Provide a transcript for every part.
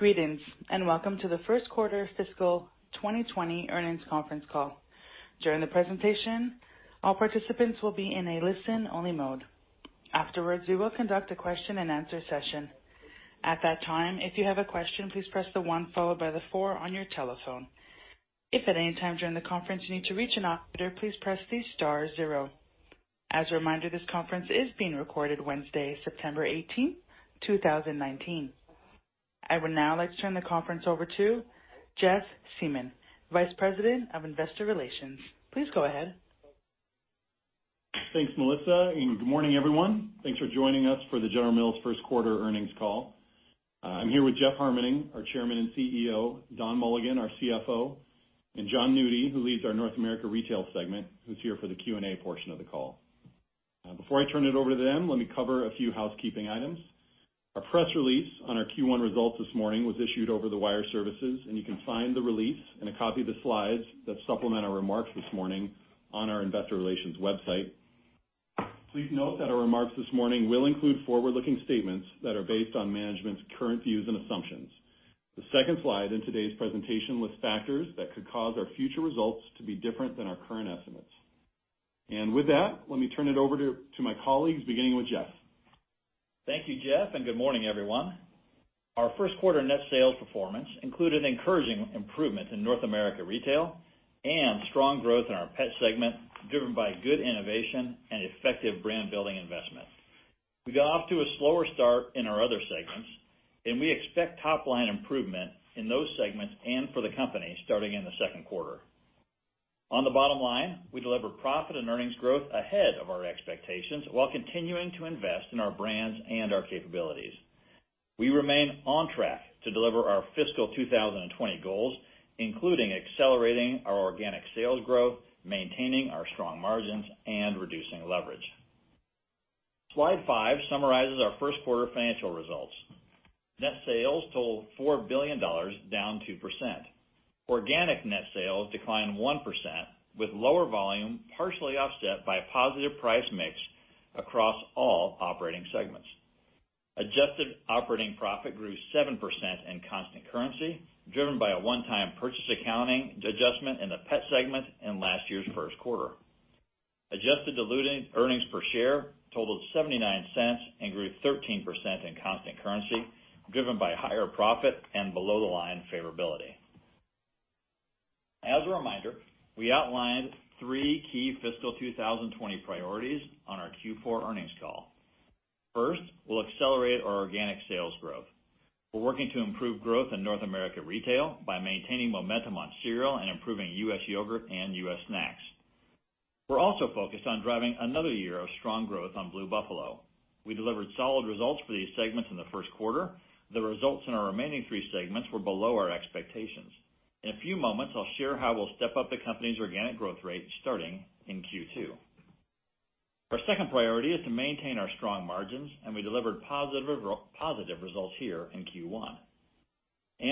Greetings, and welcome to the first quarter fiscal 2020 earnings conference call. During the presentation, all participants will be in a listen-only mode. Afterwards, we will conduct a question and answer session. At that time, if you have a question, please press the one followed by the four on your telephone. If at any time during the conference you need to reach an operator, please press the star zero. As a reminder, this conference is being recorded Wednesday, September 18th, 2019. I would now like to turn the conference over to Jeff Siemon, Vice President of Investor Relations. Please go ahead. Thanks, Melissa, and good morning, everyone. Thanks for joining us for the General Mills first quarter earnings call. I'm here with Jeff Harmening, our Chairman and CEO, Don Mulligan, our CFO, and Jon Nudi, who leads our North America Retail segment, who's here for the Q&A portion of the call. Before I turn it over to them, let me cover a few housekeeping items. Our press release on our Q1 results this morning was issued over the wire services, and you can find the release and a copy of the slides that supplement our remarks this morning on our investor relations website. Please note that our remarks this morning will include forward-looking statements that are based on management's current views and assumptions. The second slide in today's presentation lists factors that could cause our future results to be different than our current estimates. With that, let me turn it over to my colleagues, beginning with Jeff. Thank you, Jeff. Good morning, everyone. Our first quarter net sales performance included encouraging improvements in North America Retail and strong growth in our Pet segment, driven by good innovation and effective brand-building investment. We got off to a slower start in our other segments, and we expect top-line improvement in those segments and for the company starting in the second quarter. On the bottom line, we delivered profit and earnings growth ahead of our expectations while continuing to invest in our brands and our capabilities. We remain on track to deliver our fiscal 2020 goals, including accelerating our organic sales growth, maintaining our strong margins, and reducing leverage. Slide five summarizes our first quarter financial results. Net sales totaled $4 billion, down 2%. Organic net sales declined 1%, with lower volume partially offset by a positive price mix across all operating segments. Adjusted operating profit grew 7% in constant currency, driven by a one-time purchase accounting adjustment in the Pet segment in last year's first quarter. Adjusted diluted earnings per share totaled $0.79 and grew 13% in constant currency, driven by higher profit and below-the-line favorability. As a reminder, we outlined three key fiscal 2020 priorities on our Q4 earnings call. First, we'll accelerate our organic sales growth. We're working to improve growth in North America Retail by maintaining momentum on cereal and improving U.S. yogurt and U.S. snacks. We're also focused on driving another year of strong growth on Blue Buffalo. We delivered solid results for these segments in the first quarter. The results in our remaining three segments were below our expectations. In a few moments, I'll share how we'll step up the company's organic growth rate, starting in Q2. Our second priority is to maintain our strong margins. We delivered positive results here in Q1.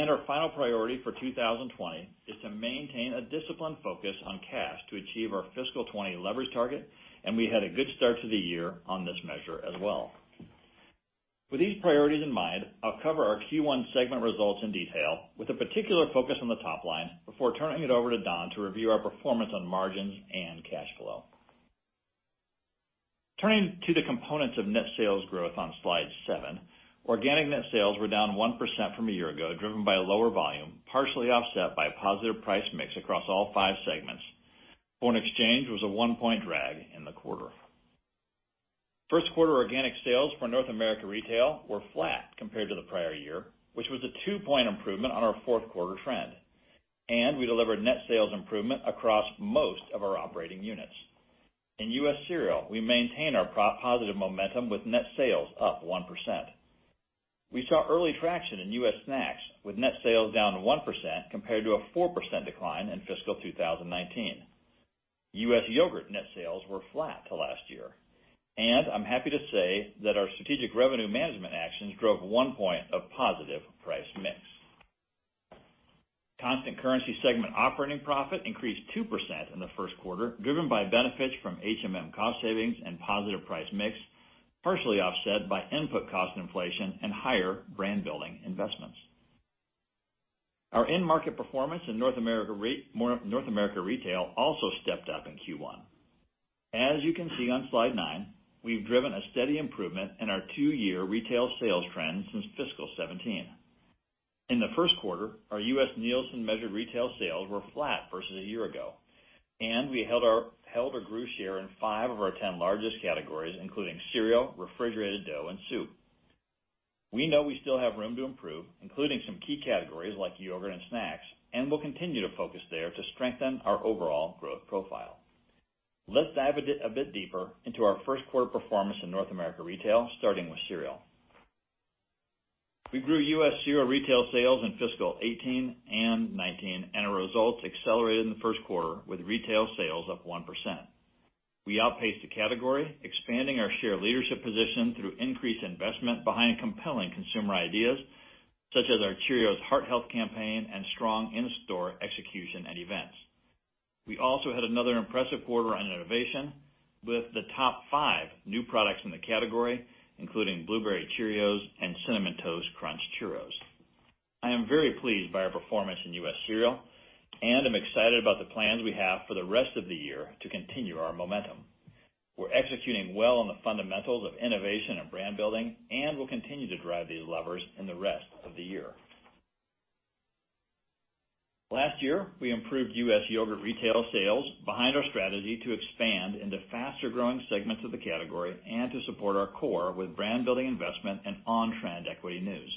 Our final priority for 2020 is to maintain a disciplined focus on cash to achieve our fiscal 2020 leverage target, and we had a good start to the year on this measure as well. With these priorities in mind, I'll cover our Q1 segment results in detail with a particular focus on the top line before turning it over to Don to review our performance on margins and cash flow. Turning to the components of net sales growth on slide seven, organic net sales were down 1% from a year ago, driven by a lower volume, partially offset by a positive price mix across all five segments. Foreign exchange was a one-point drag in the quarter. first quarter organic sales for North America Retail were flat compared to the prior year, which was a two-point improvement on our fourth quarter trend. We delivered net sales improvement across most of our operating units. In U.S. cereal, we maintained our positive momentum with net sales up 1%. We saw early traction in U.S. snacks with net sales down 1% compared to a 4% decline in fiscal 2019. U.S. yogurt net sales were flat to last year. I'm happy to say that our strategic revenue management actions drove one point of positive price mix. Constant currency segment operating profit increased 2% in the first quarter, driven by benefits from HMM cost savings and positive price mix, partially offset by input cost inflation and higher brand-building investments. Our end market performance in North America Retail also stepped up in Q1. As you can see on slide nine, we've driven a steady improvement in our two-year retail sales trend since fiscal 2017. In the first quarter, our U.S. Nielsen-measured retail sales were flat versus a year ago, and we held or grew share in 5 of our 10 largest categories, including cereal, refrigerated dough, and soup. We know we still have room to improve, including some key categories like yogurt and snacks, and we'll continue to focus there to strengthen our overall growth profile. Let's dive a bit deeper into our first quarter performance in North America Retail, starting with cereal. We grew U.S. cereal retail sales in fiscal 2018 and 2019, and our results accelerated in the first quarter with retail sales up 1%. We outpaced the category, expanding our share leadership position through increased investment behind compelling consumer ideas, such as our Cheerios Heart Health campaign and strong in-store execution and events. We also had another impressive quarter on innovation with the top five new products in the category, including Blueberry Cheerios and Cinnamon Toast Crunch Churros. I am very pleased by our performance in U.S. Cereal, and I'm excited about the plans we have for the rest of the year to continue our momentum. We're executing well on the fundamentals of innovation and brand-building, and we'll continue to drive these levers in the rest of the year. Last year, we improved U.S. Yogurt retail sales behind our strategy to expand into faster-growing segments of the category and to support our core with brand-building investment and on-trend equity news.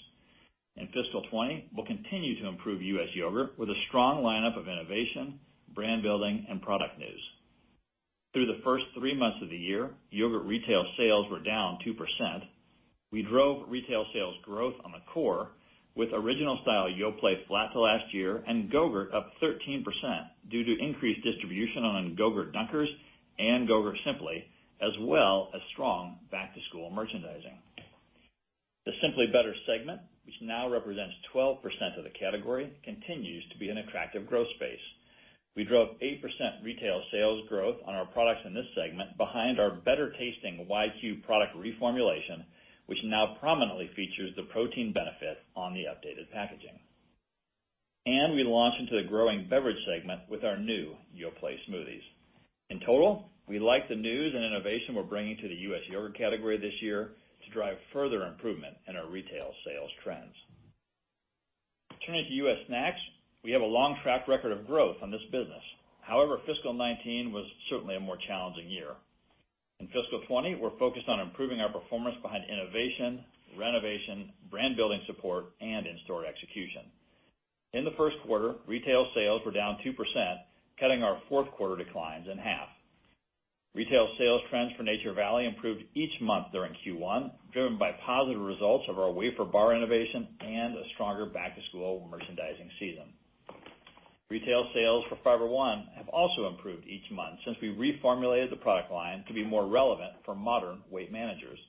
In fiscal 2020, we'll continue to improve U.S. Yogurt with a strong lineup of innovation, brand-building, and product news. Through the first three months of the year, yogurt retail sales were down 2%. We drove retail sales growth on the core with original style Yoplait flat to last year and Go-Gurt up 13% due to increased distribution on Go-Gurt Dunkers and Go-Gurt Simply, as well as strong back-to-school merchandising. The Simply Better segment, which now represents 12% of the category, continues to be an attractive growth space. We drove 8% retail sales growth on our products in this segment behind our better-tasting YQ product reformulation, which now prominently features the protein benefit on the updated packaging. We launched into the growing beverage segment with our new Yoplait Smoothies. In total, we like the news and innovation we're bringing to the U.S. Yogurt category this year to drive further improvement in our retail sales trends. Turning to U.S. Snacks, we have a long track record of growth on this business. However, fiscal 2019 was certainly a more challenging year. In fiscal 2020, we're focused on improving our performance behind innovation, renovation, brand-building support, and in-store execution. In the first quarter, retail sales were down 2%, cutting our fourth quarter declines in half. Retail sales trends for Nature Valley improved each month during Q1, driven by positive results of our wafer bar innovation and a stronger back-to-school merchandising season. Retail sales for Fiber One have also improved each month since we reformulated the product line to be more relevant for modern weight managers.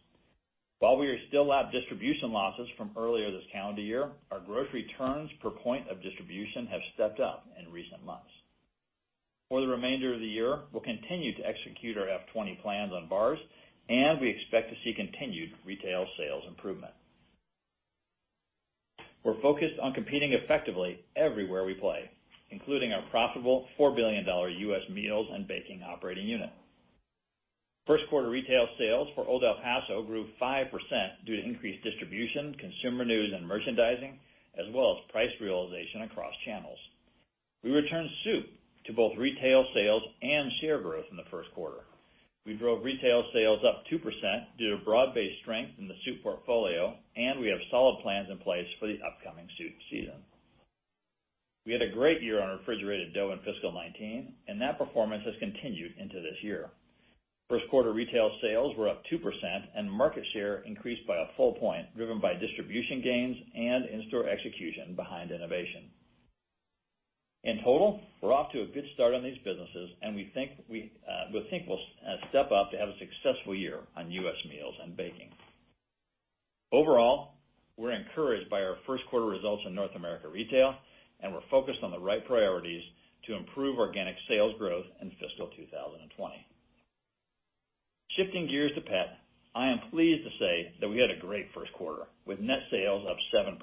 While we are still lapping distribution losses from earlier this calendar year, our grocery turns per point of distribution have stepped up in recent months. For the remainder of the year, we'll continue to execute our FY 2020 plans on bars, and we expect to see continued retail sales improvement. We're focused on competing effectively everywhere we play, including our profitable $4 billion U.S. Meals and Baking Operating Unit. First quarter retail sales for Old El Paso grew 5% due to increased distribution, consumer news, and merchandising, as well as price realization across channels. We returned soup to both retail sales and share growth in the first quarter. We drove retail sales up 2% due to broad-based strength in the soup portfolio, and we have solid plans in place for the upcoming soup season. We had a great year on refrigerated dough in fiscal 2019, and that performance has continued into this year. First quarter retail sales were up 2% and market share increased by a full point, driven by distribution gains and in-store execution behind innovation. In total, we're off to a good start on these businesses, and we think we'll step up to have a successful year on U.S. Meals and Baking. Overall, we're encouraged by our first quarter results in North America Retail, and we're focused on the right priorities to improve organic sales growth in fiscal 2020. Shifting gears to Pet, I am pleased to say that we had a great first quarter with net sales up 7%.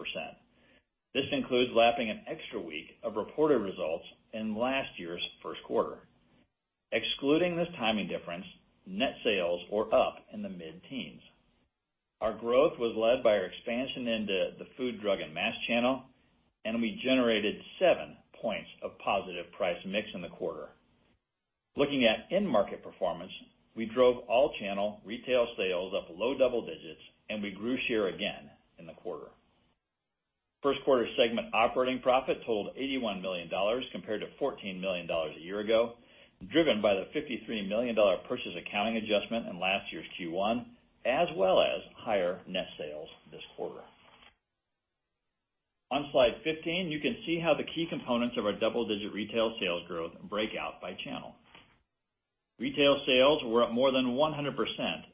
This includes lapping an extra week of reported results in last year's first quarter. Excluding this timing difference, net sales were up in the mid-teens. Our growth was led by our expansion into the food, drug and mass channel, and we generated seven points of positive price mix in the quarter. Looking at end market performance, we drove all channel retail sales up low double digits, and we grew share again in the quarter. First quarter segment operating profit totaled $81 million, compared to $14 million a year ago, driven by the $53 million purchase accounting adjustment in last year's Q1, as well as higher net sales this quarter. On slide 15, you can see how the key components of our double-digit retail sales growth breakout by channel. Retail sales were up more than 100%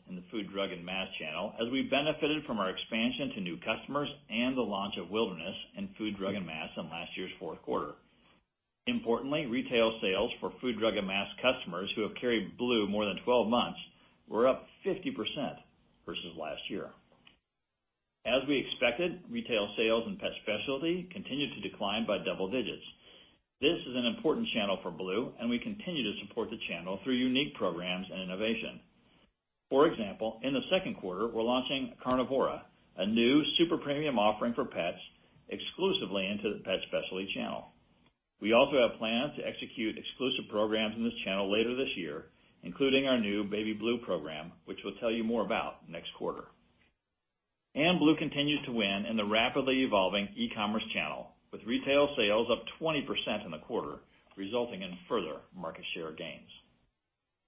in the food, drug and mass channel, as we benefited from our expansion to new customers and the launch of Wilderness in food, drug and mass in last year's fourth quarter. Importantly, retail sales for food, drug and mass customers who have carried Blue more than 12 months were up 50% versus last year. As we expected, retail sales in Pet Specialty continued to decline by double digits. This is an important channel for Blue, and we continue to support the channel through unique programs and innovation. For example, in the second quarter, we're launching Carnivora, a new super premium offering for pets exclusively into the Pet Specialty channel. We also have plans to execute exclusive programs in this channel later this year, including our new Baby Blue program, which we'll tell you more about next quarter. Blue continues to win in the rapidly evolving e-commerce channel, with retail sales up 20% in the quarter, resulting in further market share gains.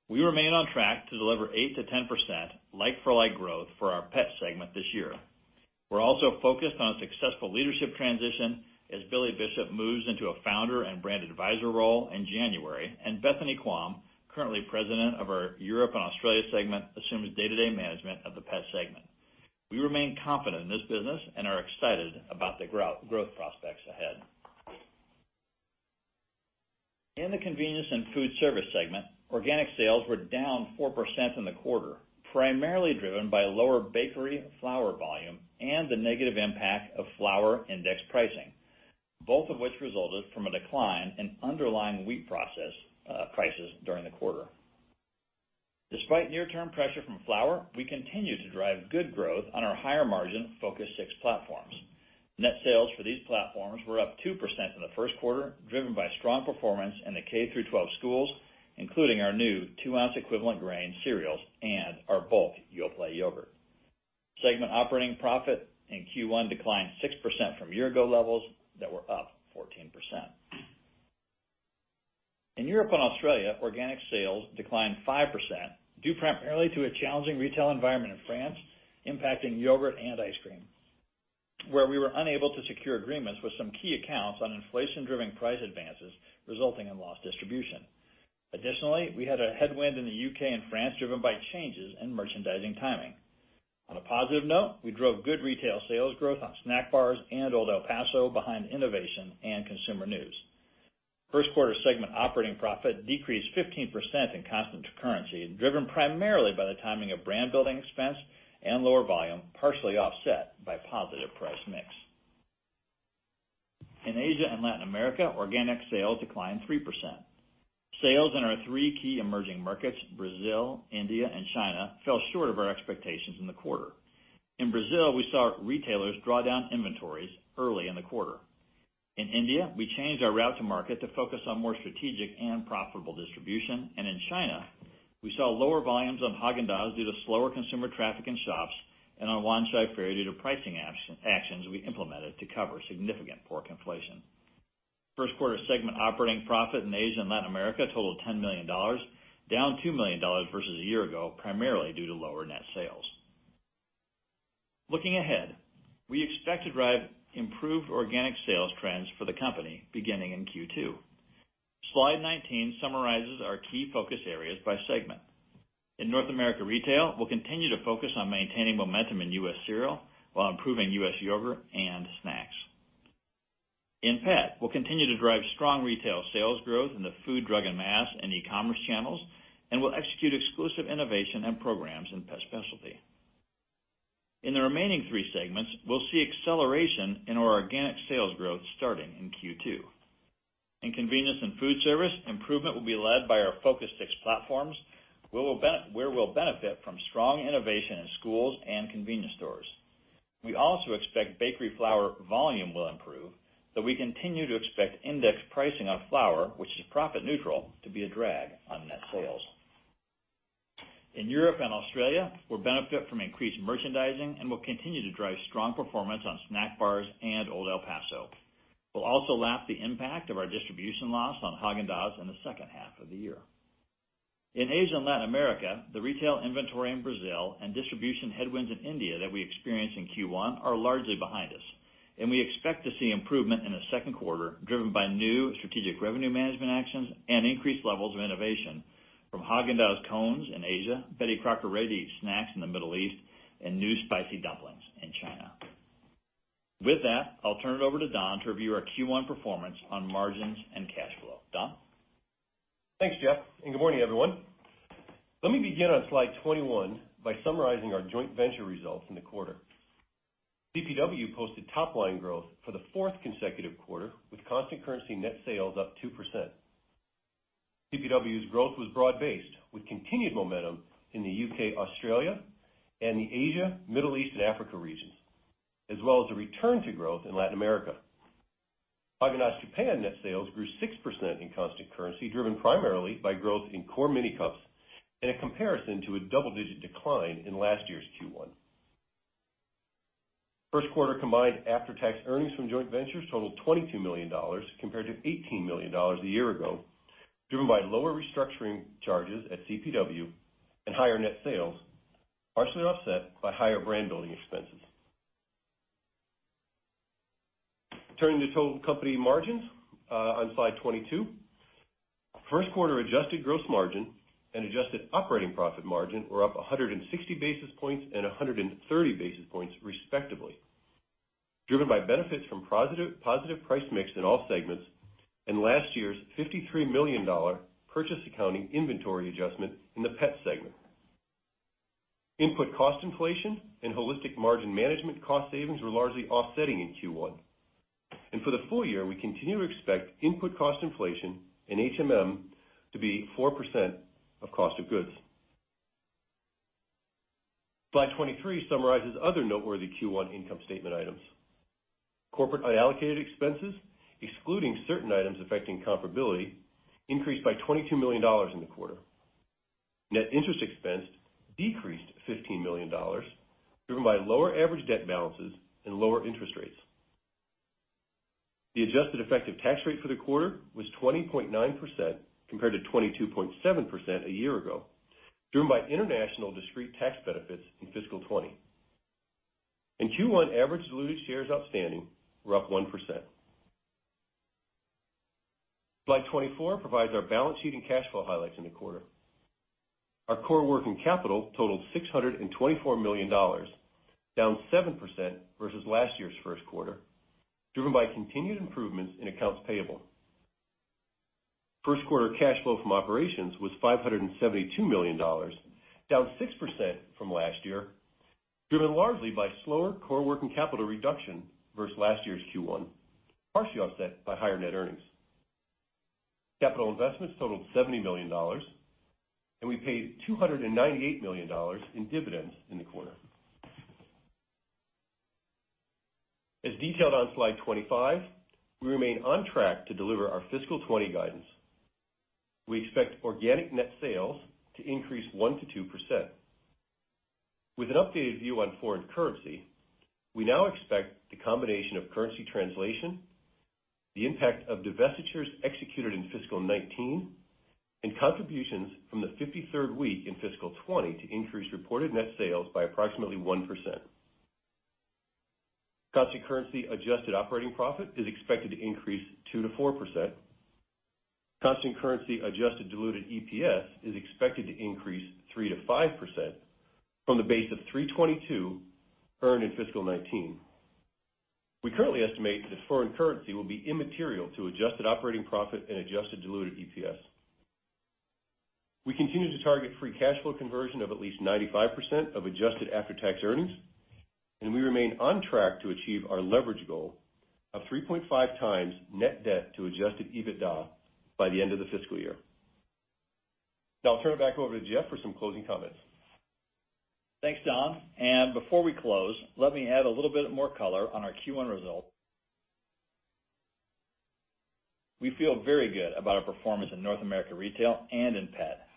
We remain on track to deliver 8%-10% like-for-like growth for our Pet segment this year. We're also focused on a successful leadership transition as Billy Bishop moves into a founder and brand advisor role in January, and Bethany Quam, currently President of our Europe & Australia segment, assumes day-to-day management of the Pet segment. We remain confident in this business and are excited about the growth prospects ahead. In the Convenience Stores and Foodservice segment, organic sales were down 4% in the quarter, primarily driven by lower bakery flour volume and the negative impact of flour index pricing. Both of which resulted from a decline in underlying wheat prices during the quarter. Despite near-term pressure from flour, we continue to drive good growth on our higher margin Focus Six platforms. Net sales for these platforms were up 2% in the first quarter, driven by strong performance in the K-through-12 schools, including our new two-ounce equivalent grain cereals and our bulk Yoplait yogurt. Segment operating profit in Q1 declined 6% from year-ago levels that were up 14%. In Europe & Australia, organic sales declined 5%, due primarily to a challenging retail environment in France impacting yogurt and ice cream, where we were unable to secure agreements with some key accounts on inflation-driven price advances, resulting in lost distribution. Additionally, we had a headwind in the U.K. and France driven by changes in merchandising timing. On a positive note, we drove good retail sales growth on snack bars and Old El Paso behind innovation and consumer news. First quarter segment operating profit decreased 15% in constant currency, driven primarily by the timing of brand-building expense and lower volume, partially offset by positive price mix. In Asia and Latin America, organic sales declined 3%. Sales in our three key emerging markets, Brazil, India, and China, fell short of our expectations in the quarter. In Brazil, we saw retailers draw down inventories early in the quarter. In India, we changed our route to market to focus on more strategic and profitable distribution. In China, we saw lower volumes on Häagen-Dazs due to slower consumer traffic in shops and on Wanchai Ferry due to pricing actions we implemented to cover significant pork inflation. First quarter segment operating profit in Asia and Latin America totaled $10 million, down $2 million versus a year ago, primarily due to lower net sales. Looking ahead, we expect to drive improved organic sales trends for the company beginning in Q2. Slide 19 summarizes our key focus areas by segment. In North America Retail, we'll continue to focus on maintaining momentum in U.S. cereal while improving U.S. yogurt and snacks. In Pet, we'll continue to drive strong retail sales growth in the food, drug, and mass, and e-commerce channels, and we'll execute exclusive innovation and programs in pet specialty. In the remaining three segments, we'll see acceleration in our organic sales growth starting in Q2. In Convenience and Foodservice, improvement will be led by our Focus Six platforms, where we'll benefit from strong innovation in schools and convenience stores. We also expect bakery flour volume will improve, though we continue to expect index pricing of flour, which is profit neutral, to be a drag on net sales. In Europe & Australia, we'll benefit from increased merchandising and will continue to drive strong performance on snack bars and Old El Paso. We'll also lap the impact of our distribution loss on Häagen-Dazs in the second half of the year. In Asia and Latin America, the retail inventory in Brazil and distribution headwinds in India that we experienced in Q1 are largely behind us, and we expect to see improvement in the second quarter, driven by new strategic revenue management actions and increased levels of innovation from Häagen-Dazs cones in Asia, Betty Crocker Ready to Eat snacks in the Middle East, and new spicy dumplings in China. With that, I'll turn it over to Don to review our Q1 performance on margins and cash flow. Don? Thanks, Jeff. Good morning, everyone. Let me begin on slide 21 by summarizing our joint venture results in the quarter. CPW posted top-line growth for the fourth consecutive quarter, with constant currency net sales up 2%. CPW's growth was broad-based, with continued momentum in the U.K., Australia, and the Asia, Middle East, and Africa regions, as well as a return to growth in Latin America. Häagen-Dazs Japan net sales grew 6% in constant currency, driven primarily by growth in core mini cups and in comparison to a double-digit decline in last year's Q1. First quarter combined after-tax earnings from joint ventures totaled $22 million, compared to $18 million a year ago, driven by lower restructuring charges at CPW and higher net sales, partially offset by higher brand-building expenses. Turning to total company margins, on slide 22. First quarter adjusted gross margin and adjusted operating profit margin were up 160 basis points and 130 basis points respectively, driven by benefits from positive price mix in all segments and last year's $53 million purchase accounting inventory adjustment in the Pet segment. Input cost inflation and Holistic Margin Management cost savings were largely offsetting in Q1. For the full year, we continue to expect input cost inflation and HMM to be 4% of cost of goods. Slide 23 summarizes other noteworthy Q1 income statement items. Corporate unallocated expenses, excluding certain items affecting comparability, increased by $22 million in the quarter. Net interest expense decreased $15 million, driven by lower average debt balances and lower interest rates. The adjusted effective tax rate for the quarter was 20.9% compared to 22.7% a year ago, driven by international discrete tax benefits in fiscal 2020. In Q1, average diluted shares outstanding were up 1%. Slide 24 provides our balance sheet and cash flow highlights in the quarter. Our core working capital totaled $624 million, down 7% versus last year's first quarter, driven by continued improvements in accounts payable. First quarter cash flow from operations was $572 million, down 6% from last year, driven largely by slower core working capital reduction versus last year's Q1, partially offset by higher net earnings. Capital investments totaled $70 million, and we paid $298 million in dividends in the quarter. As detailed on slide 25, we remain on track to deliver our fiscal 2020 guidance. We expect organic net sales to increase 1%-2%. With an updated view on foreign currency, we now expect the combination of currency translation, the impact of divestitures executed in fiscal 2019, and contributions from the 53rd week in fiscal 2020 to increase reported net sales by approximately 1%. Constant currency adjusted operating profit is expected to increase 2%-4%. Constant currency adjusted diluted EPS is expected to increase 3%-5% from the base of $3.22 earned in fiscal 2019. We currently estimate that foreign currency will be immaterial to adjusted operating profit and adjusted diluted EPS. We continue to target free cash flow conversion of at least 95% of adjusted after-tax earnings, and we remain on track to achieve our leverage goal of 3.5 times net debt to adjusted EBITDA by the end of the fiscal year. Now I'll turn it back over to Jeff for some closing comments. Thanks, Don. Before we close, let me add a little bit more color on our Q1 results. We feel very good about our performance in North America Retail and in Pet,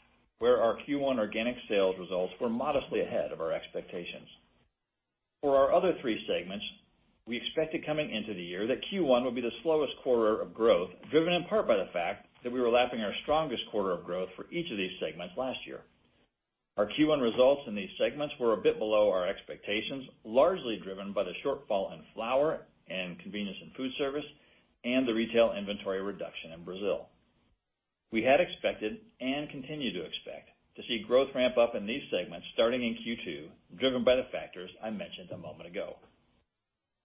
where our Q1 organic sales results were modestly ahead of our expectations. For our other three segments, we expected coming into the year that Q1 would be the slowest quarter of growth, driven in part by the fact that we were lapping our strongest quarter of growth for each of these segments last year. Our Q1 results in these segments were a bit below our expectations, largely driven by the shortfall in flour and convenience and food service, the retail inventory reduction in Brazil. We had expected and continue to expect to see growth ramp up in these segments starting in Q2, driven by the factors I mentioned a moment ago.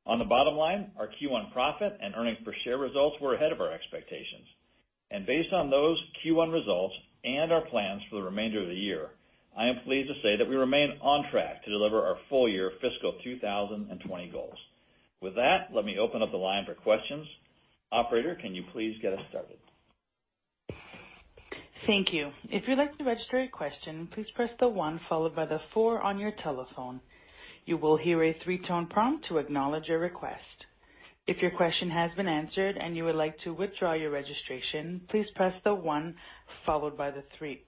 On the bottom line, our Q1 profit and earnings per share results were ahead of our expectations. Based on those Q1 results and our plans for the remainder of the year, I am pleased to say that we remain on track to deliver our full year fiscal 2020 goals. With that, let me open up the line for questions. Operator, can you please get us started? Thank you. If you'd like to register your question, please press the one followed by the four on your telephone. You will hear a three-tone prompt to acknowledge your request. If your question has been answered and you would like to withdraw your registration, please press the one followed by the three.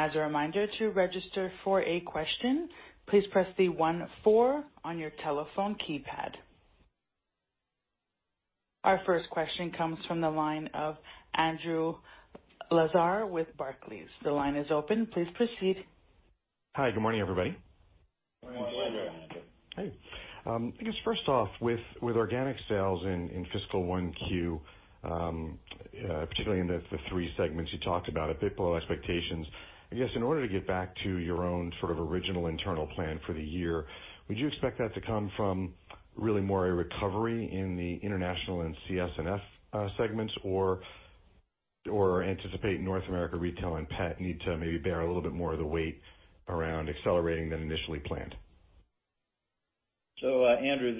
As a reminder, to register for a question, please press the 14 on your telephone keypad. Our first question comes from the line of Andrew Lazar with Barclays. The line is open. Please proceed. Hi. Good morning, everybody. Good morning, Andrew. Good morning, Andrew. Hey. I guess first off, with organic sales in fiscal 1Q, particularly in the three segments you talked about, a bit below expectations. I guess, in order to get back to your own sort of original internal plan for the year, would you expect that to come from really more a recovery in the international and CS&F segments or anticipate North America Retail and Pet need to maybe bear a little bit more of the weight around accelerating than initially planned? Andrew,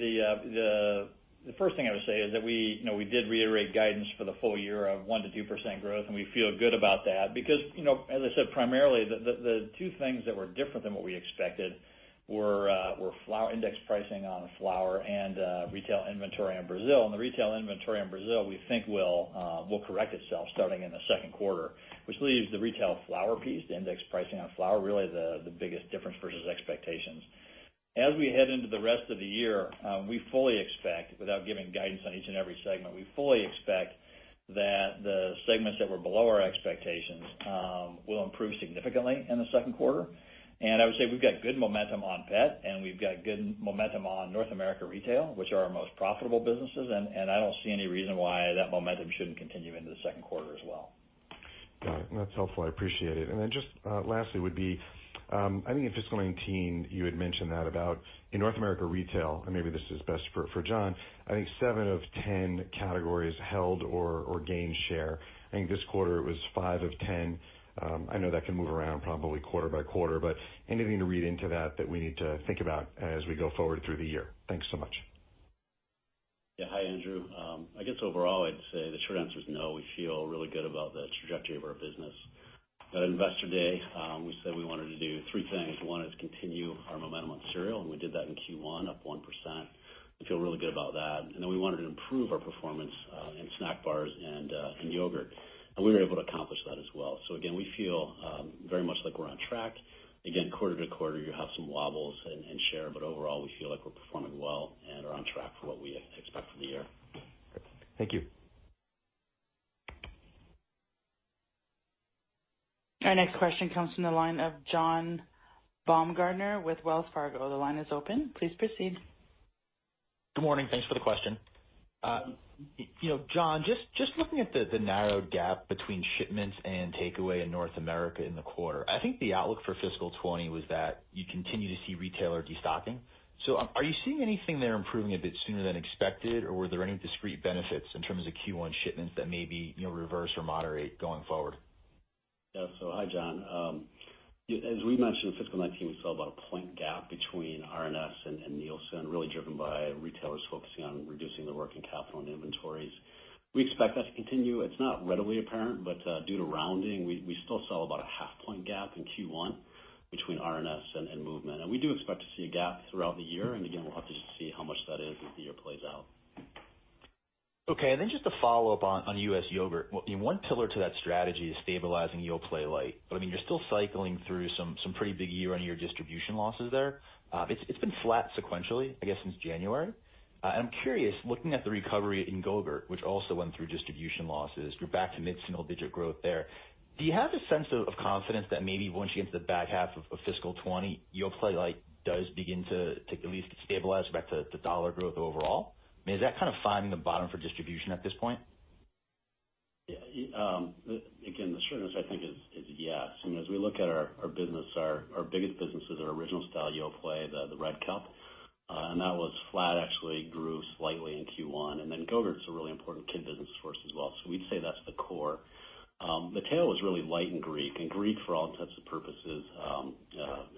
the first thing I would say is that we did reiterate guidance for the full year of 1% to 2% growth, and we feel good about that because, as I said, primarily the two things that were different than what we expected were index pricing on flour and retail inventory in Brazil. The retail inventory in Brazil, we think will correct itself starting in the second quarter. Which leaves the retail flour piece, the index pricing on flour, really the biggest difference versus expectations. As we head into the rest of the year, we fully expect, without giving guidance on each and every segment, we fully expect that the segments that were below our expectations will improve significantly in the second quarter. I would say we've got good momentum on Pet and we've got good momentum on North America Retail, which are our most profitable businesses, and I don't see any reason why that momentum shouldn't continue into the second quarter as well. Got it. That's helpful. I appreciate it. Then just lastly would be, I think in fiscal 2019, you had mentioned that about in North America Retail, and maybe this is best for Jon, I think 7 of 10 categories held or gained share. I think this quarter it was 5 of 10. I know that can move around probably quarter by quarter, Anything to read into that that we need to think about as we go forward through the year? Thanks so much. Yeah. Hi, Andrew. I guess overall I'd say the short answer is no. We feel really good about the trajectory of our business. At Investor Day, we said we wanted to do three things. One is continue our momentum on cereal, and we did that in Q1, up 1%. We feel really good about that. We wanted to improve our performance in snack bars and in yogurt, and we were able to accomplish that as well. Again, we feel very much like we're on track. Again, quarter to quarter, you have some wobbles in share, but overall, we feel like we're performing well and are on track for what we expect for the year. Great. Thank you. Our next question comes from the line of John Baumgartner with Wells Fargo. The line is open. Please proceed. Good morning. Thanks for the question. Jon, just looking at the narrowed gap between shipments and takeaway in North America in the quarter, I think the outlook for fiscal 2020 was that you continue to see retailer destocking. Are you seeing anything there improving a bit sooner than expected, or were there any discrete benefits in terms of Q1 shipments that maybe reverse or moderate going forward? Yeah. Hi, John. As we mentioned in fiscal 2019, we saw about a point gap between R&S and Nielsen, really driven by retailers focusing on reducing their working capital and inventories. We expect that to continue. It's not readily apparent, but due to rounding, we still saw about a half point gap in Q1 between R&S and movement. We do expect to see a gap throughout the year. Again, we'll have to just see how much that is as the year plays out. Okay. Just a follow-up on U.S. yogurt. One pillar to that strategy is stabilizing Yoplait Light, but you're still cycling through some pretty big year-over-year distribution losses there. It's been flat sequentially, I guess, since January. I'm curious, looking at the recovery in Go-Gurt, which also went through distribution losses, you're back to mid-single digit growth there. Do you have a sense of confidence that maybe once you get into the back half of FY 2020, Yoplait Light does begin to at least stabilize back to dollar growth overall? Is that kind of finding the bottom for distribution at this point? Yeah. The short answer, I think, is yes. As we look at our business, our biggest business is our original style Yoplait, the red cup. That was flat, actually grew slightly in Q1. Go-Gurt's a really important kid business for us as well. We'd say that's the core. The tail was really light and Greek, for all intents and purposes,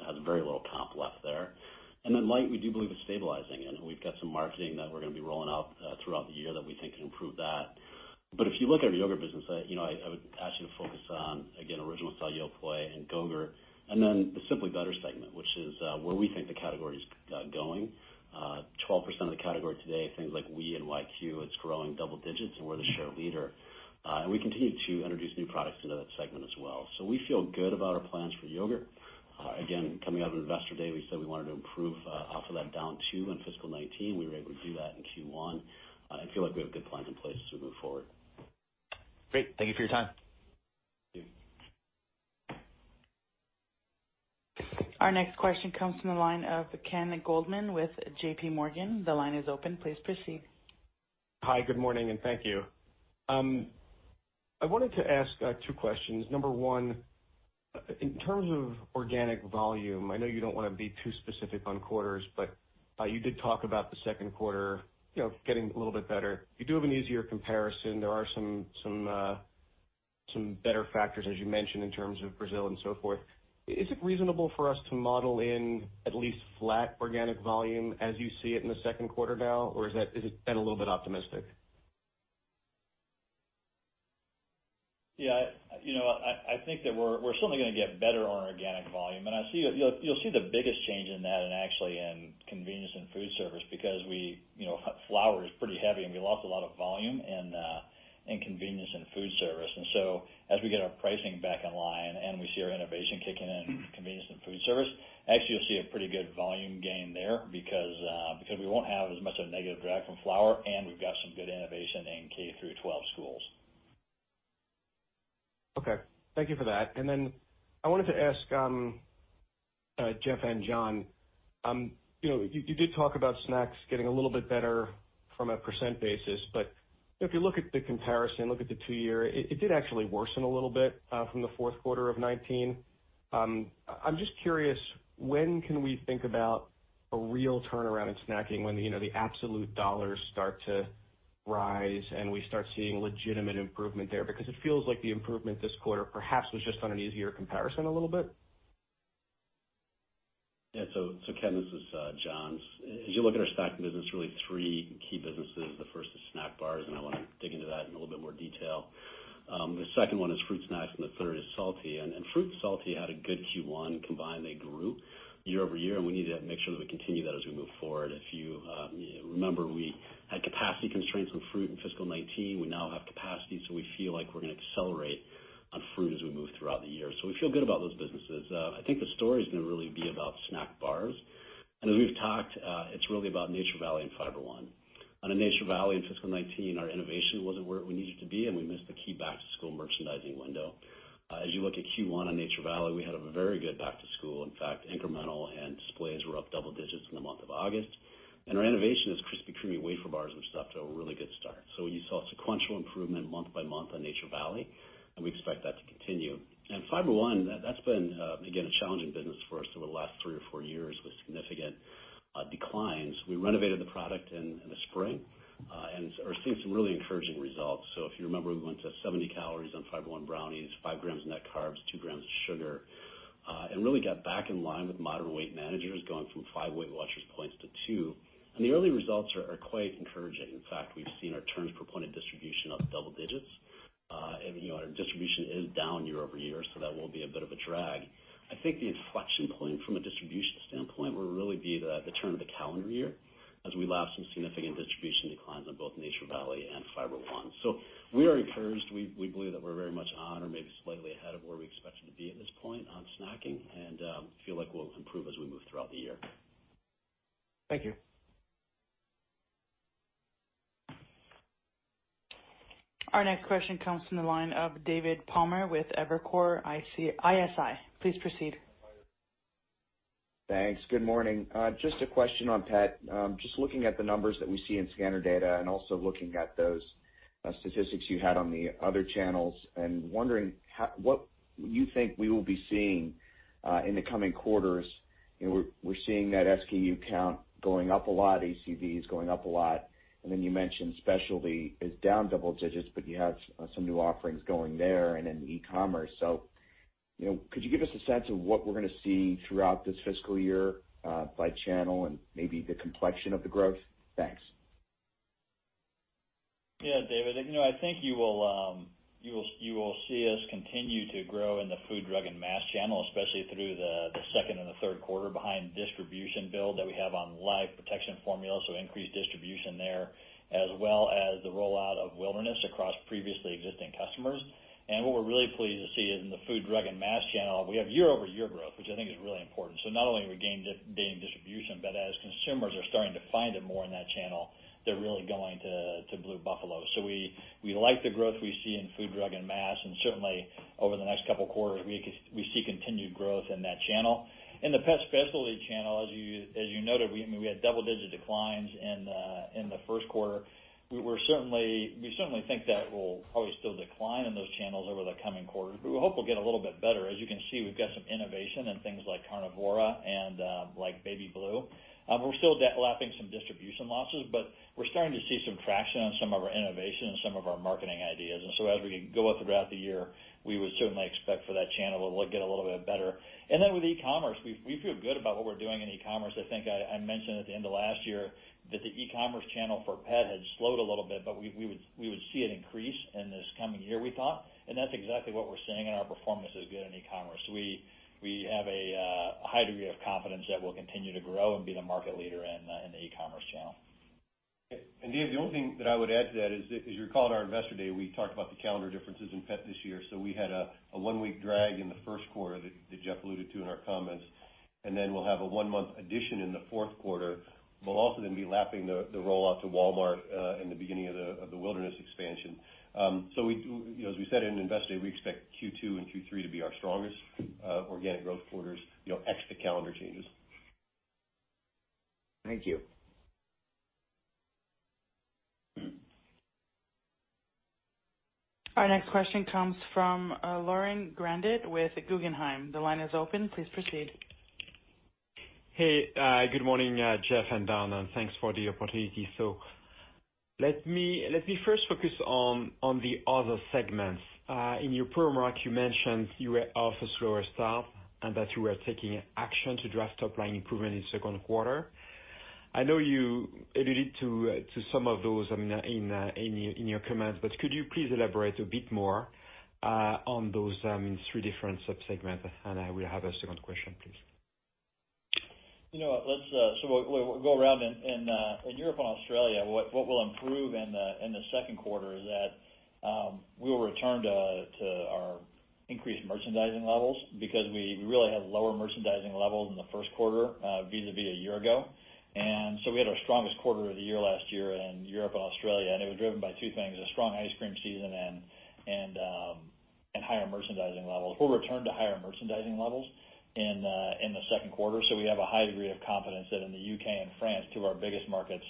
has very little comp left there. Light, we do believe is stabilizing, and we've got some marketing that we're going to be rolling out throughout the year that we think can improve that. If you look at our yogurt business, I would ask you to focus on, again, original style Yoplait and Go-Gurt, and then the Simply Better segment, which is where we think the category's going. 12% of the category today, things like Oui and YQ, it's growing double digits, and we're the share leader. We continue to introduce new products into that segment as well. We feel good about our plans for yogurt. Again, coming out of Investor Day, we said we wanted to improve off of that down two in fiscal 2019. We were able to do that in Q1, feel like we have good plans in place as we move forward. Great. Thank you for your time. Thank you. Our next question comes from the line of Ken Goldman with J.P. Morgan. The line is open. Please proceed. Hi, good morning, and thank you. I wanted to ask two questions. Number one, in terms of organic volume, I know you don't want to be too specific on quarters. You did talk about the second quarter getting a little bit better. You do have an easier comparison. There are some better factors, as you mentioned, in terms of Brazil and so forth. Is it reasonable for us to model in at least flat organic volume as you see it in the second quarter now, or is it a little bit optimistic? Yeah. I think that we're certainly going to get better on our organic volume. You'll see the biggest change in that in actually in convenience and food service, because flour is pretty heavy and we lost a lot of volume in convenience and food service. As we get our pricing back in line and we see our innovation kicking in in convenience and food service, actually, you'll see a pretty good volume gain there because we won't have as much of a negative drag from flour, and we've got some good innovation in K-through-12 schools. Okay. Thank you for that. Then I wanted to ask Jeff and Jon, you did talk about snacks getting a little bit better from a percent basis, but if you look at the comparison, look at the 2 year, it did actually worsen a little bit from the fourth quarter of 2019. I'm just curious, when can we think about a real turnaround in snacking when the absolute dollars start to rise and we start seeing legitimate improvement there? Because it feels like the improvement this quarter perhaps was just on an easier comparison a little bit. Yeah. Ken, this is John. As you look at our snack business, really three key businesses. The first is snack bars, and I want to dig into that in a little bit more detail. The second one is fruit snacks and the third is salty. Fruit salty had a good Q1. Combined, they grew year-over-year, and we need to make sure that we continue that as we move forward. If you remember, we had capacity constraints on fruit in fiscal 2019. We now have capacity, so we feel like we're going to accelerate on fruit as we move throughout the year. We feel good about those businesses. I think the story's going to really be about snack bars. As we've talked, it's really about Nature Valley and Fiber One. On Nature Valley in fiscal 2019, our innovation wasn't where we needed to be, and we missed the key back to school merchandising window. As you look at Q1 on Nature Valley, we had a very good back to school. In fact, incremental and displays were up double digits in the month of August. Our innovation is Crispy Creamy Wafer Bars was off to a really good start. You saw sequential improvement month by month on Nature Valley, and we expect that to continue. Fiber One, that's been, again, a challenging business for us over the last three or four years with significant declines. We renovated the product in the spring and are seeing some really encouraging results. If you remember, we went to 70 calories on Fiber One brownies, five grams of net carbs, two grams of sugar, and really got back in line with moderate Weight Watchers managers going from five Weight Watchers points to two. The early results are quite encouraging. In fact, we've seen our turns per point of distribution up double digits. Our distribution is down year-over-year, so that will be a bit of a drag. I think the inflection point from a distribution standpoint will really be the turn of the calendar year as we lap some significant distribution declines on both Nature Valley and Fiber One. We are encouraged. We believe that we're very much on or maybe slightly ahead of where we expected to be at this point on snacking and feel like we'll improve as we move throughout the year. Thank you. Our next question comes from the line of David Palmer with Evercore ISI. Please proceed. Thanks. Good morning. Just a question on pet. Just looking at the numbers that we see in scanner data and also looking at those statistics you had on the other channels and wondering what you think we will be seeing in the coming quarters. We're seeing that SKU count going up a lot, ACV is going up a lot, and then you mentioned specialty is down double digits, but you have some new offerings going there and in e-commerce. Could you give us a sense of what we're going to see throughout this fiscal year by channel and maybe the complexion of the growth? Thanks. Yeah, David. I think you will see us continue to grow in the food, drug, and mass channel, especially through the second and the third quarter behind distribution build that we have on Life Protection Formula, so increased distribution there, as well as the rollout of Wilderness across previously existing customers. What we're really pleased to see is in the food, drug, and mass channel, we have year-over-year growth, which I think is really important. Not only are we gaining distribution, but as consumers are starting to find it more in that channel, they're really going to Blue Buffalo. We like the growth we see in food, drug, and mass, and certainly over the next couple of quarters, we see continued growth in that channel. In the pet specialty channel, as you noted, we had double-digit declines in the first quarter. We certainly think that will probably still decline in those channels over the coming quarters, but we hope we'll get a little bit better. As you can see, we've got some innovation in things like Carnivora and like Baby BLUE. We're still lapping some distribution losses, but we're starting to see some traction on some of our innovation and some of our marketing ideas. As we go up throughout the year, we would certainly expect for that channel it'll get a little bit better. With e-commerce, we feel good about what we're doing in e-commerce. I think I mentioned at the end of last year that the e-commerce channel for pet had slowed a little bit, but we would see it increase in this coming year, we thought. That's exactly what we're seeing in our performance is good in e-commerce. We have a high degree of confidence that we'll continue to grow and be the market leader in the e-commerce channel. Dave, the only thing that I would add to that is, as you recall at our Investor Day, we talked about the calendar differences in pet this year. We had a one-week drag in the first quarter that Jeff alluded to in our comments, and then we'll have a one-month addition in the fourth quarter. We'll also then be lapping the rollout to Walmart in the beginning of the Wilderness expansion. As we said in Investor Day, we expect Q2 and Q3 to be our strongest organic growth quarters, ex the calendar changes. Thank you. Our next question comes from Laurent Grandet with Guggenheim. The line is open. Please proceed. Good morning, Jeff and Don, thanks for the opportunity. Let me first focus on the other segments. In your prepared remarks, you mentioned you were off a slower start and that you were taking action to drive top line improvement in second quarter. I know you alluded to some of those in your comments, could you please elaborate a bit more on those three different subsegments? I will have a second question, please. We'll go around. In Europe and Australia, what we'll improve in the second quarter is that we will return to our increased merchandising levels because we really had lower merchandising levels in the first quarter vis-à-vis a year ago. We had our strongest quarter of the year last year in Europe and Australia, and it was driven by two things, a strong ice cream season and higher merchandising levels. We'll return to higher merchandising levels in the second quarter, so we have a high degree of confidence that in the U.K. and France, two of our biggest markets,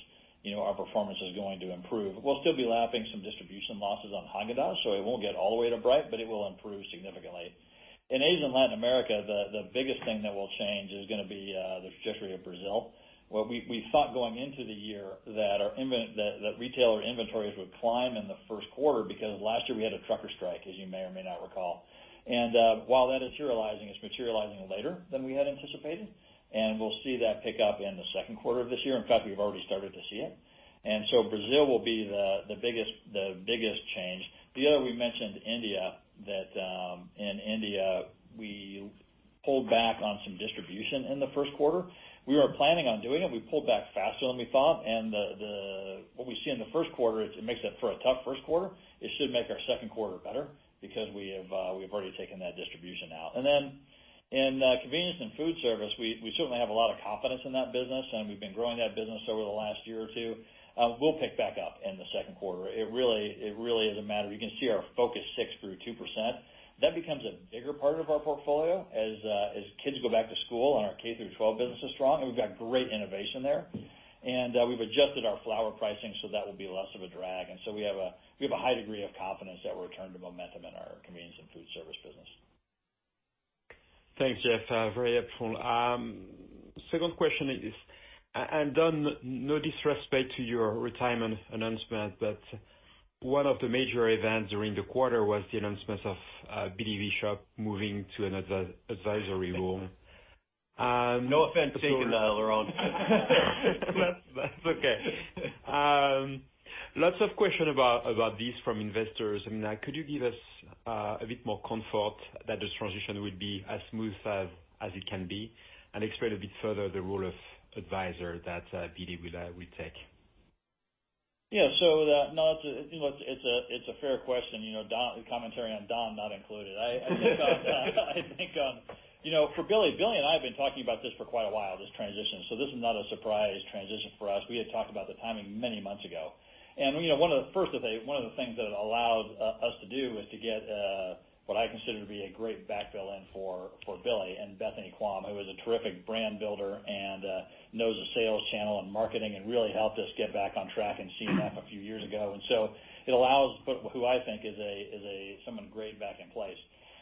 our performance is going to improve. We'll still be lapping some distribution losses on Häagen-Dazs, so it won't get all the way to bright, but it will improve significantly. In Asia and Latin America, the biggest thing that will change is going to be the treasury of Brazil. What we thought going into the year that retailer inventories would climb in the first quarter because last year we had a trucker strike, as you may or may not recall. While that is materializing, it's materializing later than we had anticipated, and we'll see that pick up in the second quarter of this year. In fact, we've already started to see it. Brazil will be the biggest change. The other, we mentioned India, that in India, we pulled back on some distribution in the first quarter. We were planning on doing it. We pulled back faster than we thought, and what we see in the first quarter, it makes up for a tough first quarter. It should make our second quarter better because we have already taken that distribution out. In Convenience Stores and Foodservice, we certainly have a lot of confidence in that business, and we've been growing that business over the last year or two. We'll pick back up in the second quarter. It really is a matter. You can see our Focus 6 grew 2%. That becomes a bigger part of our portfolio as kids go back to school and our K-through-12 business is strong, and we've got great innovation there. We've adjusted our flour pricing, so that will be less of a drag. We have a high degree of confidence that we'll return to momentum in our Convenience Stores and Foodservice business. Thanks, Jeff. Very helpful. Second question is, and Don, no disrespect to your retirement announcement, but one of the major events during the quarter was the announcement of Billy Bishop moving to an advisory role. No offense taken there, Laurent. That's okay. Lots of question about this from investors. Could you give us a bit more comfort that this transition will be as smooth as it can be, and explain a bit further the role of advisor that Billy will take? It's a fair question, the commentary on Don not included. For Billy and I have been talking about this for quite a while, this transition. This is not a surprise transition for us. We had talked about the timing many months ago. One of the first things that it allowed us to do is to get what I consider to be a great backfill in for Billy in Bethany Quam, who is a terrific brand builder and knows the sales channel and marketing and really helped us get back on track in CNF a few years ago. It allows for who I think is someone great back in place.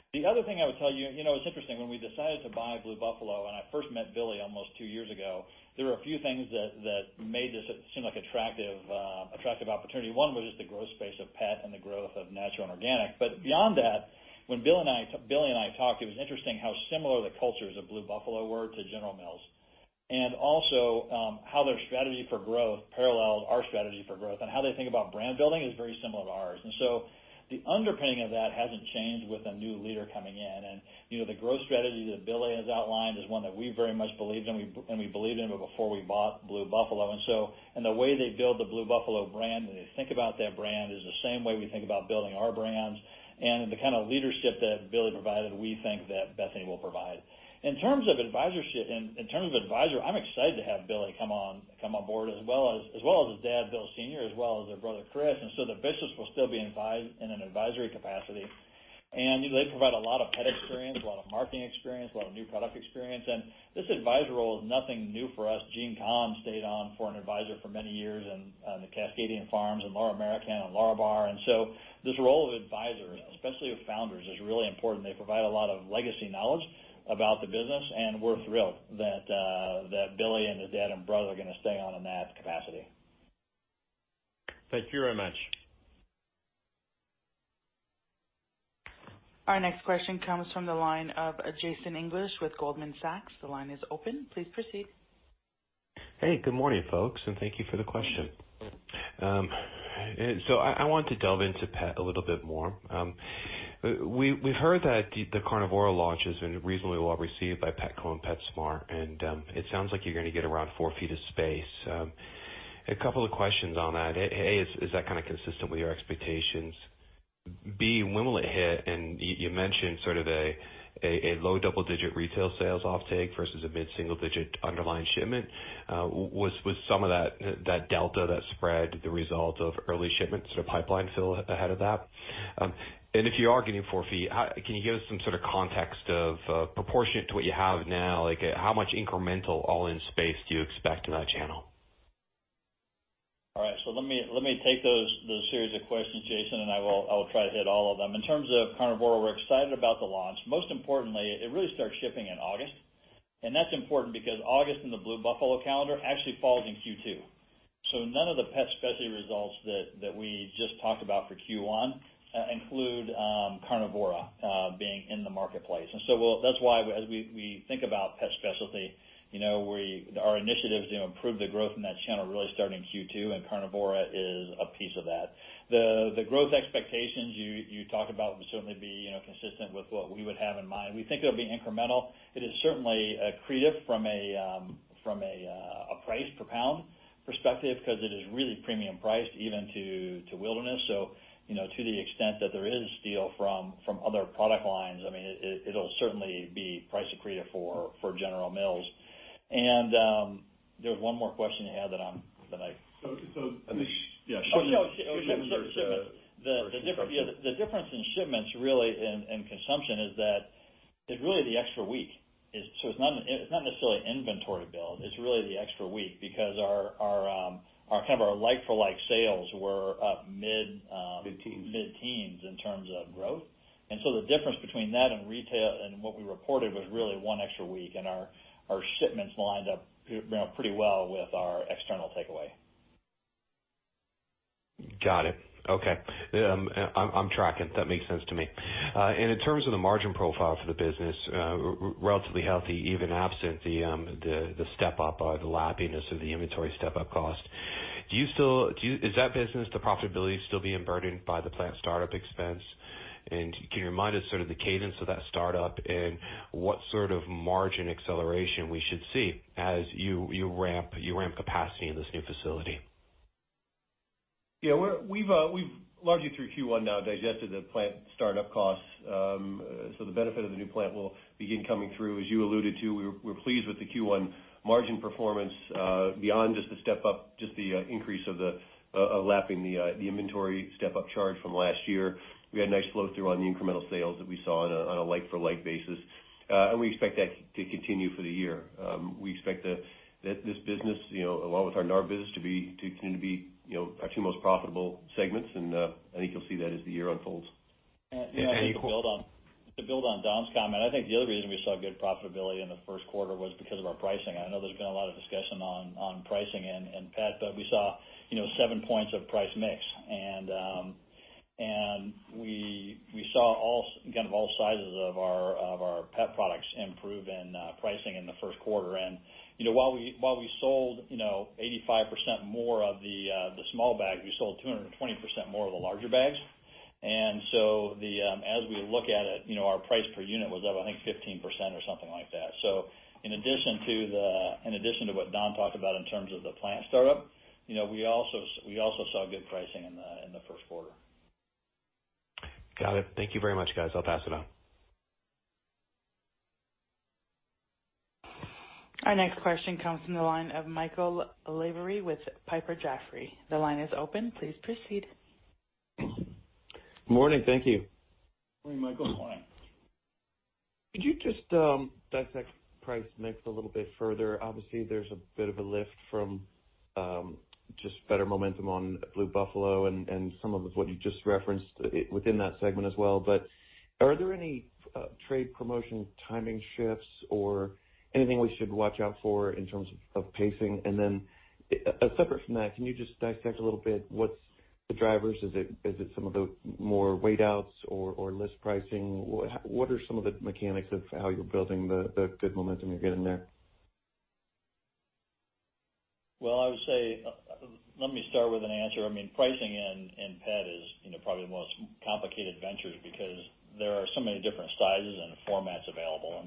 The other thing I would tell you, it's interesting, when we decided to buy Blue Buffalo, and I first met Billy almost two years ago, there were a few things that made this seem like an attractive opportunity. One was just the growth space of pet and the growth of natural and organic. Beyond that, when Billy and I talked, it was interesting how similar the cultures of Blue Buffalo were to General Mills, and also how their strategy for growth paralleled our strategy for growth. How they think about brand building is very similar to ours. The underpinning of that hasn't changed with a new leader coming in. The growth strategy that Billy has outlined is one that we very much believed in, and we believed in before we bought Blue Buffalo. The way they build the Blue Buffalo brand and they think about that brand is the same way we think about building our brands. The kind of leadership that Billy provided, we think that Bethany will provide. In terms of advisory, I'm excited to have Billy come on board, as well as his dad, Bill Senior, as well as their brother, Chris. The business will still be in an advisory capacity. They provide a lot of pet experience, a lot of marketing experience, a lot of new product experience. This advisor role is nothing new for us. Gene Kahn stayed on for an advisor for many years on the Cascadian Farm and Lärabar and Lärabar. This role of advisory, especially with founders, is really important. They provide a lot of legacy knowledge about the business, and we're thrilled that Billy and his dad and brother are going to stay on in that capacity. Thank you very much. Our next question comes from the line of Jason English with Goldman Sachs. The line is open. Please proceed. Hey, good morning, folks, thank you for the question. I want to delve into pet a little bit more. We've heard that the Carnivora launch has been reasonably well received by Petco and PetSmart, and it sounds like you're going to get around four feet of space. A couple of questions on that. A, is that consistent with your expectations? B, when will it hit? You mentioned sort of a low double-digit retail sales offtake versus a mid-single digit underlying shipment. Was some of that delta, that spread the result of early shipments sort of pipeline fill ahead of that? If you are getting four feet, can you give us some sort of context of proportionate to what you have now? How much incremental all-in space do you expect in that channel? All right. Let me take those series of questions, Jason. I will try to hit all of them. In terms of Carnivora, we're excited about the launch. Most importantly, it really starts shipping in August, and that's important because August in the Blue Buffalo calendar actually falls in Q2. None of the pet specialty results that we just talked about for Q1 include Carnivora being in the marketplace. That's why as we think about pet specialty, our initiatives to improve the growth in that channel really start in Q2, and Carnivora is a piece of that. The growth expectations you talk about would certainly be consistent with what we would have in mind. We think it'll be incremental. It is certainly accretive from a price per pound perspective because it is really premium priced even to Wilderness. To the extent that there is steal from other product lines, it'll certainly be price accretive for General Mills. There was one more question you had. I think. Oh, no. Shipments versus. Shipments. The difference in shipments really and consumption is that it's really the extra week. It's not necessarily inventory build, it's really the extra week because our like for like sales were up mid- Mid-teens mid-teens in terms of growth. The difference between that and retail and what we reported was really one extra week, and our shipments lined up pretty well with our external takeaway. Got it. Okay. I'm tracking. That makes sense to me. In terms of the margin profile for the business, relatively healthy, even absent the step-up or the lappiness of the inventory step-up cost, is that business, the profitability still being burdened by the plant startup expense? Can you remind us sort of the cadence of that startup and what sort of margin acceleration we should see as you ramp capacity in this new facility? Yeah. We've largely through Q1 now digested the plant startup costs. The benefit of the new plant will begin coming through. As you alluded to, we're pleased with the Q1 margin performance beyond just the step-up, just the increase of lapping the inventory step-up charge from last year. We had nice flow-through on the incremental sales that we saw on a like for like basis. We expect that to continue for the year. We expect that this business, along with our NAR business to continue to be our two most profitable segments, I think you'll see that as the year unfolds. To build on Don's comment, I think the other reason we saw good profitability in the first quarter was because of our pricing. I know there's been a lot of discussion on pricing and pets, we saw 7 points of price mix, and we saw all sides of our pet products improve in pricing in the first quarter. While we sold 85% more of the small bags, we sold 220% more of the larger bags. As we look at it, our price per unit was up, I think 15% or something like that. In addition to what Don talked about in terms of the plant startup, we also saw good pricing in the first quarter. Got it. Thank you very much, guys. I'll pass it on. Our next question comes from the line of Michael Lavery with Piper Jaffray. The line is open. Please proceed. Morning. Thank you. Morning, Michael. Morning. Could you just dissect price mix a little bit further? Obviously, there's a bit of a lift from just better momentum on Blue Buffalo and some of what you just referenced within that segment as well. Are there any trade promotion timing shifts or anything we should watch out for in terms of pacing? Separate from that, can you just dissect a little bit what's the drivers? Is it some of the more weight outs or list pricing? What are some of the mechanics of how you're building the good momentum you're getting there? Well, I would say, let me start with an answer. Pricing in pet is probably the most complicated ventures because there are so many different sizes and formats available.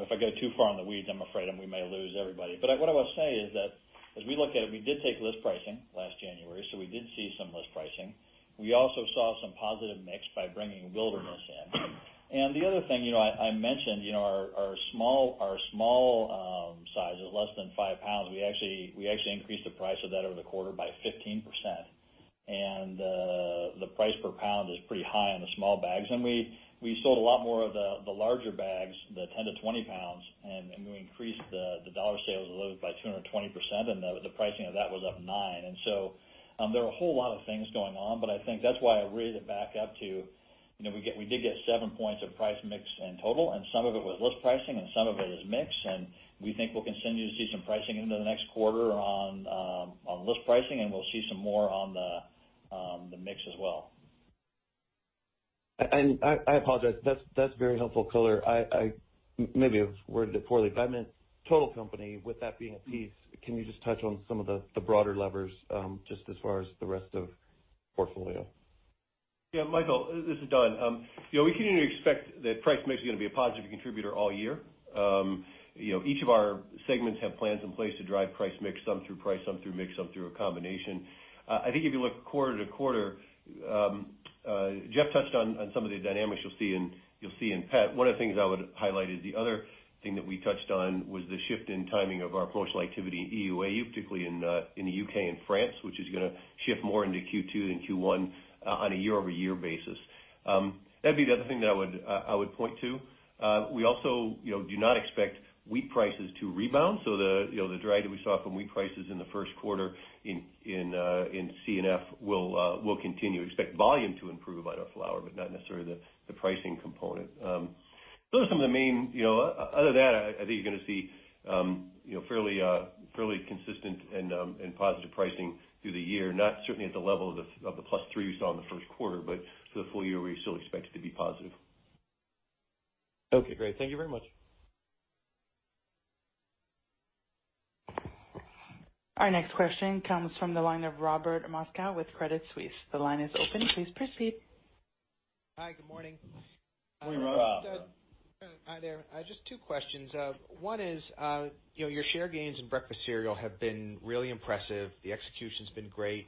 If I go too far in the weeds, I'm afraid then we may lose everybody. What I will say is that as we look at it, we did take list pricing last January, we did see some list pricing. We also saw some positive mix by bringing Wilderness in. The other thing, I mentioned our small sizes, less than five pounds, we actually increased the price of that over the quarter by 15%. The price per pound is pretty high on the small bags. We sold a lot more of the larger bags, the 10-20 pounds, and we increased the dollar sales of those by 220%, and the pricing of that was up 9%. There are a whole lot of things going on, but I think that's why I read it back up to we did get 7 points of price mix in total, and some of it was list pricing and some of it is mix. We think we'll continue to see some pricing into the next quarter on list pricing, and we'll see some more on the mix as well. I apologize, that's very helpful color. I maybe have worded it poorly, but I meant total company with that being a piece, can you just touch on some of the broader levers, just as far as the rest of portfolio? Yeah, Michael, this is Don. We continue to expect that price mix is going to be a positive contributor all year. Each of our segments have plans in place to drive price mix, some through price, some through mix, some through a combination. I think if you look quarter-to-quarter, Jeff touched on some of the dynamics you'll see in pet. One of the things I would highlight is the other thing that we touched on was the shift in timing of our promotional activity in EUAU, particularly in the U.K. and France, which is going to shift more into Q2 than Q1 on a year-over-year basis. That'd be the other thing that I would point to. We also do not expect wheat prices to rebound, the drag that we saw from wheat prices in the first quarter in C&F will continue. Expect volume to improve out of flour, but not necessarily the pricing component. Other than that, I think you're going to see fairly consistent and positive pricing through the year. Not certainly at the level of the +3% we saw in the first quarter, but for the full year, we still expect it to be positive. Okay, great. Thank you very much. Our next question comes from the line of Robert Moskow with Credit Suisse. The line is open. Please proceed. Hi, good morning. Morning, Rob. Hi there. Just two questions. One is, your share gains in breakfast cereal have been really impressive. The execution's been great.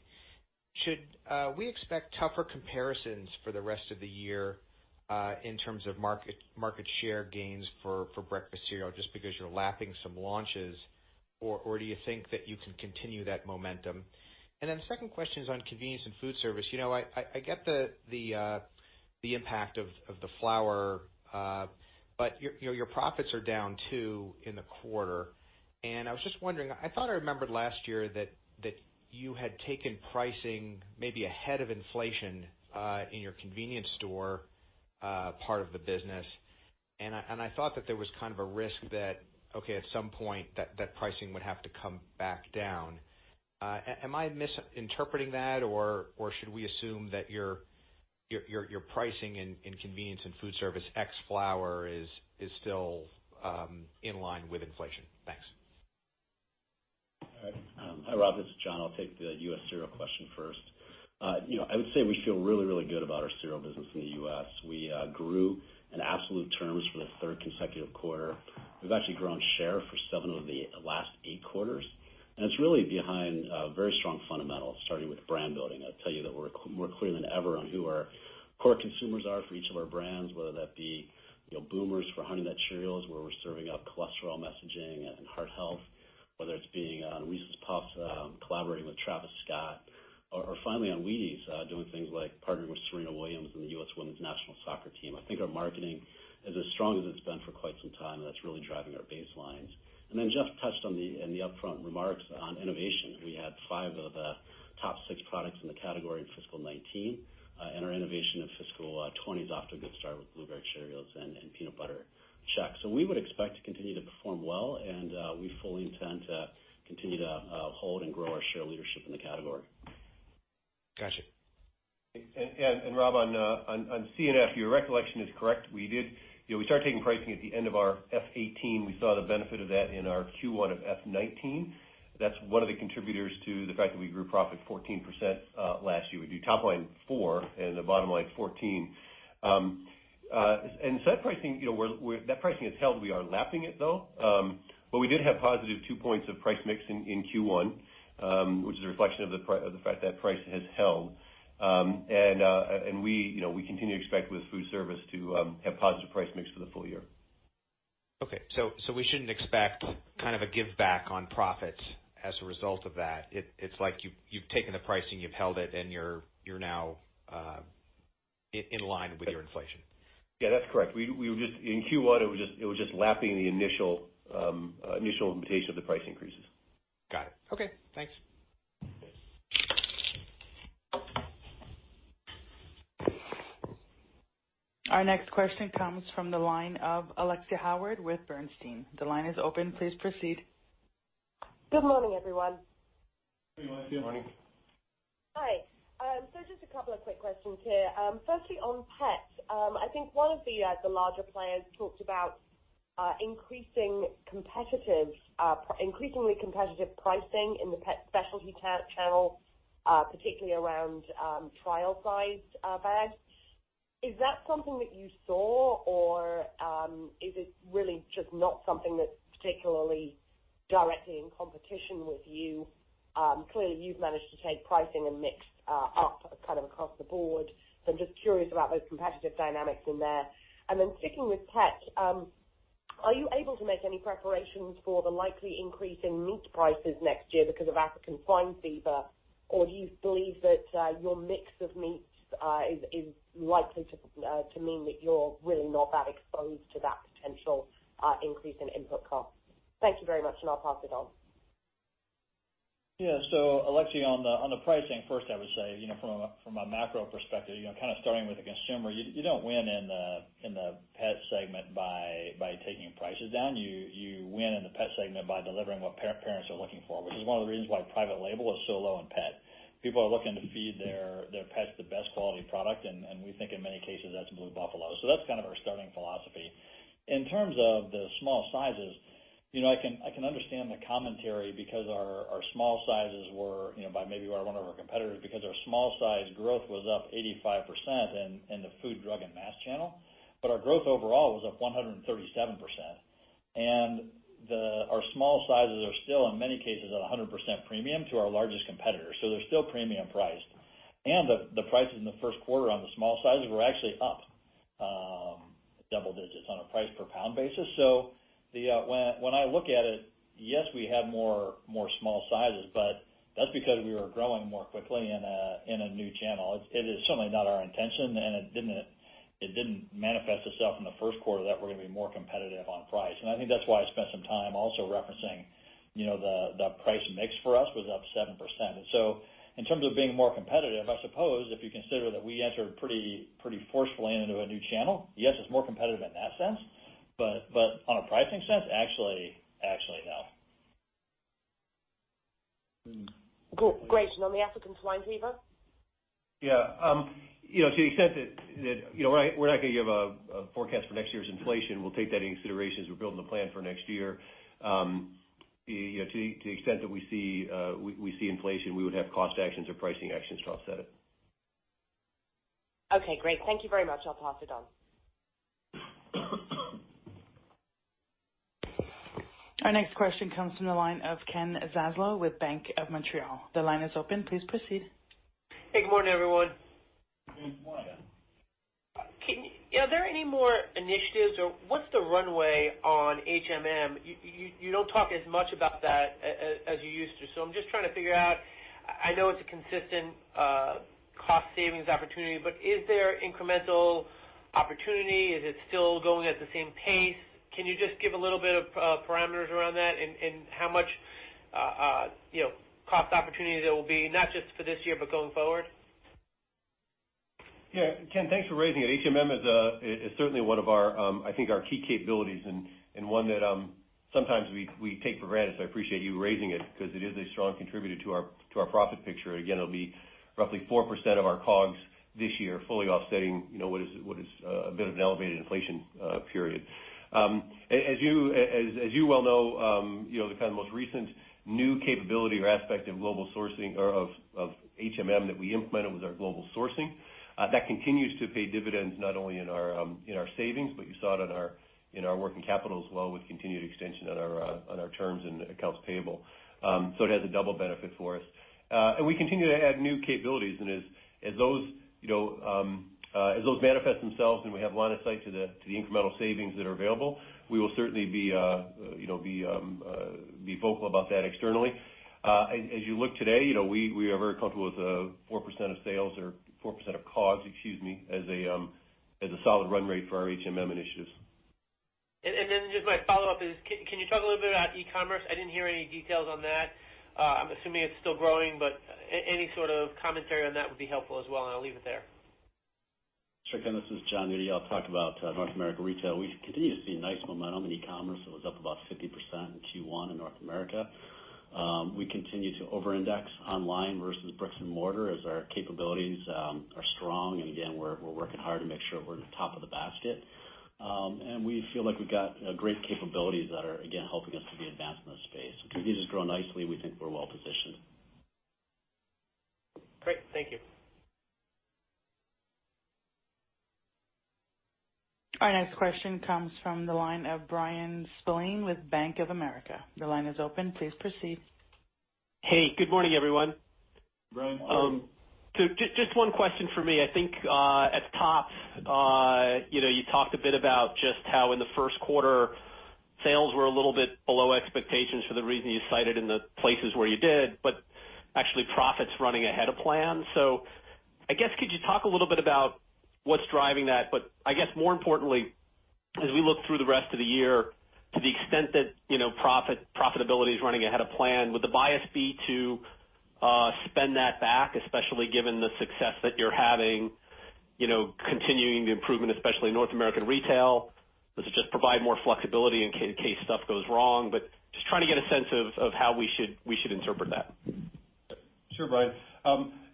Should we expect tougher comparisons for the rest of the year, in terms of market share gains for breakfast cereal, just because you're lapping some launches? Do you think that you can continue that momentum? The second question is on convenience and food service. I get the impact of the flour, but your profits are down too in the quarter. I was just wondering, I thought I remembered last year that you had taken pricing maybe ahead of inflation, in your convenience store part of the business. I thought that there was kind of a risk that, okay, at some point that pricing would have to come back down. Am I misinterpreting that, or should we assume that your pricing in convenience and food service ex flour is still in line with inflation? Thanks. All right. Hi, Robert Moskow, this is Jon. I'll take the U.S. cereal question first. I would say we feel really, really good about our cereal business in the U.S. We grew in absolute terms for the third consecutive quarter. We've actually grown share for seven of the last eight quarters, and it's really behind very strong fundamentals, starting with brand building. I'll tell you that we're clearer than ever on who our core consumers are for each of our brands, whether that be boomers for Honey Nut Cheerios, where we're serving up cholesterol messaging and heart health, whether it's being on Reese's Puffs, collaborating with Travis Scott or finally on Wheaties, doing things like partnering with Serena Williams and the U.S. women's national soccer team. I think our marketing is as strong as it's been for quite some time, and that's really driving our baselines. Jeff touched on the upfront remarks on innovation. We had five of the top six products in the category in fiscal 2019. Our innovation in fiscal 2020 is off to a good start with Blueberry Cheerios and Peanut Butter Chex. We would expect to continue to perform well, and we fully intend to continue to hold and grow our share leadership in the category. Got you. Rob, on C&F, your recollection is correct. We started taking pricing at the end of our FY 2018. We saw the benefit of that in our Q1 of FY 2019. That's one of the contributors to the fact that we grew profit 14% last year. We do top line 4% and the bottom line 14%. That pricing has held. We are lapping it, though, but we did have positive 2 points of price mix in Q1, which is a reflection of the fact that price has held. We continue to expect with foodservice to have positive price mix for the full year. Okay. We shouldn't expect kind of a give back on profits as a result of that. It's like you've taken the pricing, you've held it, and you're now in line with your inflation. Yeah, that's correct. In Q1, it was just lapping the initial initiation of the price increases. Got it. Okay, thanks. Our next question comes from the line of Alexia Howard with Bernstein. The line is open, please proceed. Good morning, everyone. Good morning. Hi. Just a couple of quick questions here. Firstly, on pets, I think one of the larger players talked about increasingly competitive pricing in the pet specialty channel, particularly around trial size bags. Is that something that you saw or is it really just not something that's particularly directly in competition with you? Clearly, you've managed to take pricing and mix up kind of across the board. I'm just curious about those competitive dynamics in there. Sticking with pets, are you able to make any preparations for the likely increase in meat prices next year because of African swine fever? Do you believe that your mix of meats is likely to mean that you're really not that exposed to that potential increase in input costs? Thank you very much. I'll pass it on. Alexia, on the pricing first, I would say, from a macro perspective, kind of starting with the consumer, you don't win in the Pet segment by taking prices down. You win in the Pet segment by delivering what pet parents are looking for, which is one of the reasons why private label is so low in pet. People are looking to feed their pets the best quality product, and we think in many cases, that's Blue Buffalo. That's kind of our starting philosophy. In terms of the small sizes, I can understand the commentary because our small sizes were by maybe one of our competitors because our small size growth was up 85% in the food, drug, and mass channel. Our growth overall was up 137%. Our small sizes are still in many cases at 100% premium to our largest competitor. They're still premium priced. The prices in the first quarter on the small sizes were actually up double digits on a price per pound basis. When I look at it, yes, we have more small sizes, but that's because we were growing more quickly in a new channel. It is certainly not our intention, and it didn't manifest itself in the first quarter that we're going to be more competitive on price. I think that's why I spent some time also referencing the price mix for us was up 7%. In terms of being more competitive, I suppose if you consider that we entered pretty forcefully into a new channel, yes, it's more competitive in that sense. On a pricing sense, actually no. Cool. Great. On the African swine fever? Yeah. To the extent that we're not going to give a forecast for next year's inflation, we'll take that into consideration as we're building the plan for next year. To the extent that we see inflation, we would have cost actions or pricing actions to offset it. Okay, great. Thank you very much. I'll pass it on. Our next question comes from the line of Ken Zaslow with Bank of Montreal. The line is open, please proceed. Hey, good morning, everyone. Good morning. Are there any more initiatives or what's the runway on HMM? You don't talk as much about that as you used to. I'm just trying to figure out, I know it's a consistent cost savings opportunity, but is there incremental opportunity? Is it still going at the same pace? Can you just give a little bit of parameters around that and how much cost opportunity there will be, not just for this year, but going forward? Yeah. Ken, thanks for raising it. HMM is certainly one of our, I think our key capabilities and one that sometimes we take for granted, so I appreciate you raising it because it is a strong contributor to our profit picture. It'll be roughly 4% of our COGS this year, fully offsetting what is a bit of an elevated inflation period. As you well know, the kind of most recent new capability or aspect of global sourcing or of HMM that we implemented was our global sourcing. That continues to pay dividends not only in our savings, but you saw it in our working capital as well with continued extension on our terms and accounts payable. It has a double benefit for us. We continue to add new capabilities, and as those manifest themselves and we have line of sight to the incremental savings that are available, we will certainly be vocal about that externally. As you look today, we are very comfortable with 4% of sales or 4% of COGS, excuse me, as a solid run rate for our HMM initiatives. Just my follow-up is, can you talk a little bit about e-commerce? I didn't hear any details on that. I'm assuming it's still growing. Any sort of commentary on that would be helpful as well. I'll leave it there. Sure, Ken, this is Jon Nudi. I'll talk about North America Retail. We continue to see nice momentum in e-commerce. It was up about 50% in Q1 in North America. We continue to over-index online versus bricks and mortar as our capabilities are strong. Again, we're working hard to make sure we're in the top of the basket. Again, we feel like we've got great capabilities that are, again, helping us to be advanced in the space. Continues to grow nicely. We think we're well-positioned. Great. Thank you. Our next question comes from the line of Bryan Spillane with Bank of America. Your line is open. Please proceed. Hey, good morning, everyone. Bryan, go ahead. Just one question for me. I think, at the top, you talked a bit about just how in the first quarter, sales were a little bit below expectations for the reason you cited in the places where you did, but actually profits running ahead of plan. I guess could you talk a little bit about what's driving that? I guess more importantly, as we look through the rest of the year, to the extent that profitability is running ahead of plan, would the bias be to spend that back, especially given the success that you're having, continuing the improvement, especially in North America Retail? Does it just provide more flexibility in case stuff goes wrong? Just trying to get a sense of how we should interpret that. Sure, Bryan.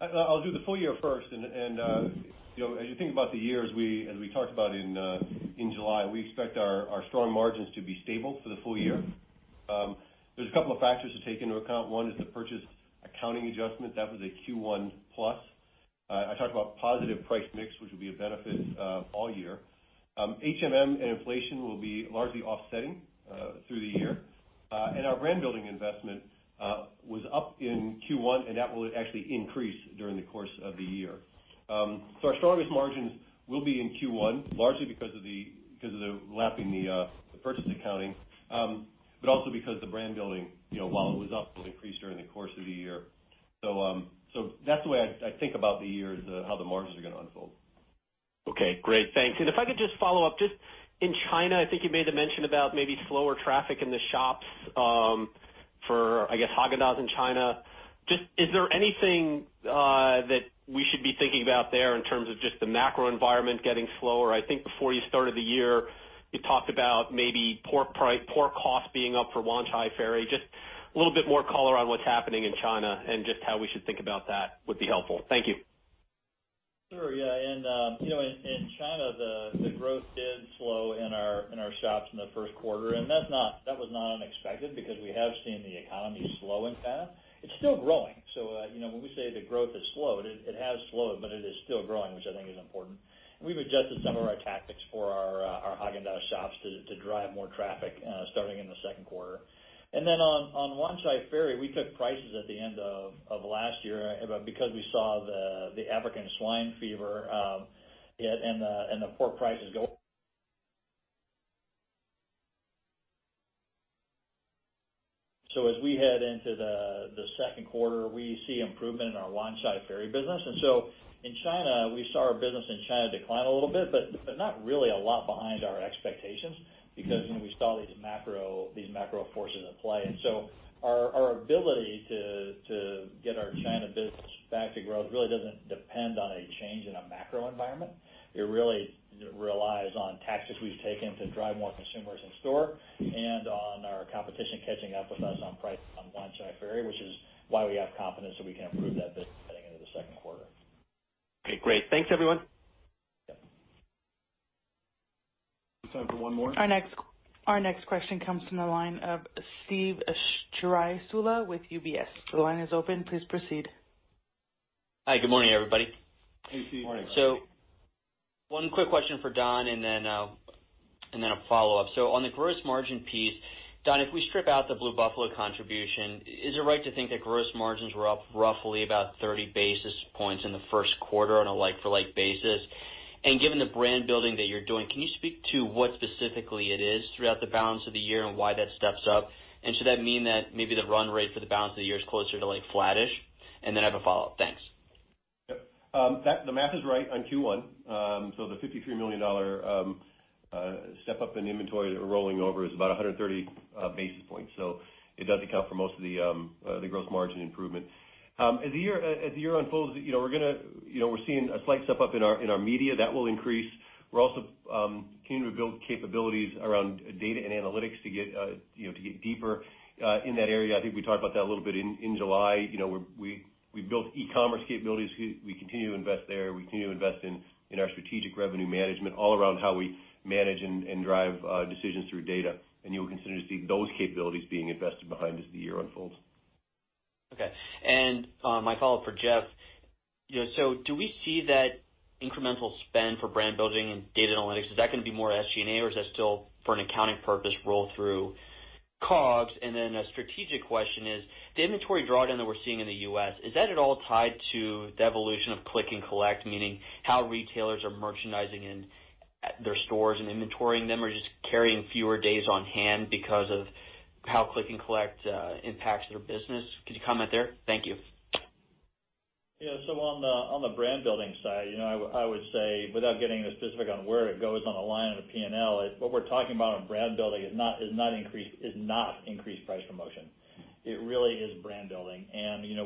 I'll do the full year first. As you think about the year, as we talked about in July, we expect our strong margins to be stable for the full year. There's a couple of factors to take into account. One is the purchase accounting adjustment. That was a Q1 plus. I talked about positive price mix, which will be a benefit all year. HMM and inflation will be largely offsetting through the year. Our brand-building investment was up in Q1. That will actually increase during the course of the year. Our strongest margins will be in Q1, largely because of the lapping the purchase accounting. Also because the brand building, while it was up, will increase during the course of the year. That's the way I think about the year is how the margins are going to unfold. Okay, great. Thanks. If I could just follow up, just in China, I think you made the mention about maybe slower traffic in the shops for, I guess, Häagen-Dazs in China. Is there anything that we should be thinking about there in terms of just the macro environment getting slower? I think before you started the year, you talked about maybe pork cost being up for Wanchai Ferry. A little bit more color on what's happening in China and just how we should think about that would be helpful. Thank you. Sure, yeah. In China, the growth did slow in our shops in the first quarter, and that was not unexpected because we have seen the economy slowing down. It's still growing. When we say the growth has slowed, it has slowed, but it is still growing, which I think is important. We've adjusted some of our tactics for our Häagen-Dazs shops to drive more traffic starting in the second quarter. On Wanchai Ferry, we took prices at the end of last year because we saw the African swine fever and the pork prices go. As we head into the second quarter, we see improvement in our Wanchai Ferry business. In China, we saw our business in China decline a little bit, but not really a lot behind our expectations because we saw these macro forces at play. Our ability to get our China business back to growth really doesn't depend on a change in a macro environment. It really relies on tactics we've taken to drive more consumers in store and on our competition catching up with us on price on Wanchai Ferry, which is why we have confidence that we can improve that business heading into the second quarter. Okay, great. Thanks, everyone. We have time for one more. Our next question comes from the line of Steve Strycula with UBS. The line is open. Please proceed. Hi. Good morning, everybody. Hey, Steve. Morning. One quick question for Don and then a follow-up. On the gross margin piece, Don, if we strip out the Blue Buffalo contribution, is it right to think that gross margins were up roughly about 30 basis points in the first quarter on a like-for-like basis? Given the brand building that you're doing, can you speak to what specifically it is throughout the balance of the year and why that steps up? Should that mean that maybe the run rate for the balance of the year is closer to like flat-ish? I have a follow-up. Thanks. Yep. The math is right on Q1. The $53 million step-up in inventory that we're rolling over is about 130 basis points. It does account for most of the gross margin improvement. As the year unfolds, we're seeing a slight step-up in our media. That will increase. We're also continuing to build capabilities around data and analytics to get deeper in that area. I think we talked about that a little bit in July. We built e-commerce capabilities. We continue to invest there. We continue to invest in our strategic revenue management all around how we manage and drive decisions through data. You'll continue to see those capabilities being invested behind as the year unfolds. Okay. My follow-up for Jeff. Do we see that incremental spend for brand building and data analytics, is that going to be more SG&A, or is that still for an accounting purpose roll through COGS? A strategic question is, the inventory drawdown that we're seeing in the U.S., is that at all tied to the evolution of click and collect, meaning how retailers are merchandising in their stores and inventorying them or just carrying fewer days on hand because of how click and collect impacts their business? Could you comment there? Thank you. Yeah. On the brand-building side, I would say, without getting too specific on where it goes on the line of the P&L, what we're talking about on brand building is not increased price promotion. It really is brand building.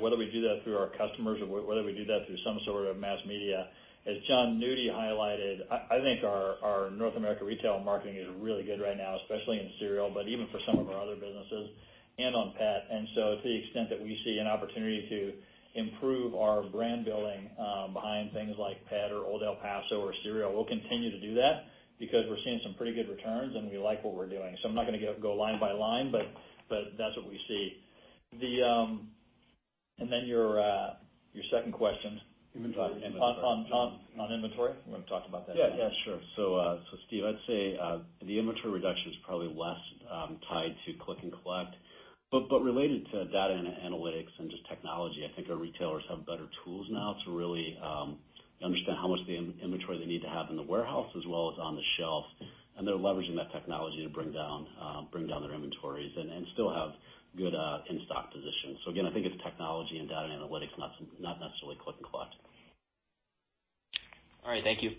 Whether we do that through our customers or whether we do that through some sort of mass media, as Jon Nudi highlighted, I think our North America Retail marketing is really good right now, especially in cereal, but even for some of our other businesses and on pet. To the extent that we see an opportunity to improve our brand building behind things like pet or Old El Paso or cereal, we'll continue to do that because we're seeing some pretty good returns, and we like what we're doing. I'm not going to go line by line, but that's what we see. Your second question. Inventory. On inventory? You want to talk about that? Yeah, sure. Steve, I'd say the inventory reduction is probably less tied to click and collect. Related to data and analytics and just technology, I think our retailers have better tools now to really understand how much inventory they need to have in the warehouse as well as on the shelf, and they're leveraging that technology to bring down their inventories and still have good in-stock positions. Again, I think it's technology and data analytics, not necessarily click and collect. All right. Thank you.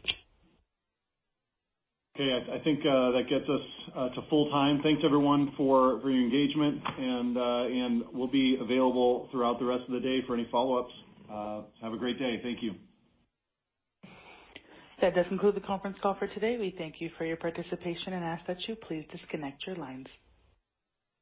Okay, I think that gets us to full time. Thanks, everyone, for your engagement, and we'll be available throughout the rest of the day for any follow-ups. Have a great day. Thank you. That does conclude the conference call for today. We thank you for your participation and ask that you please disconnect your lines.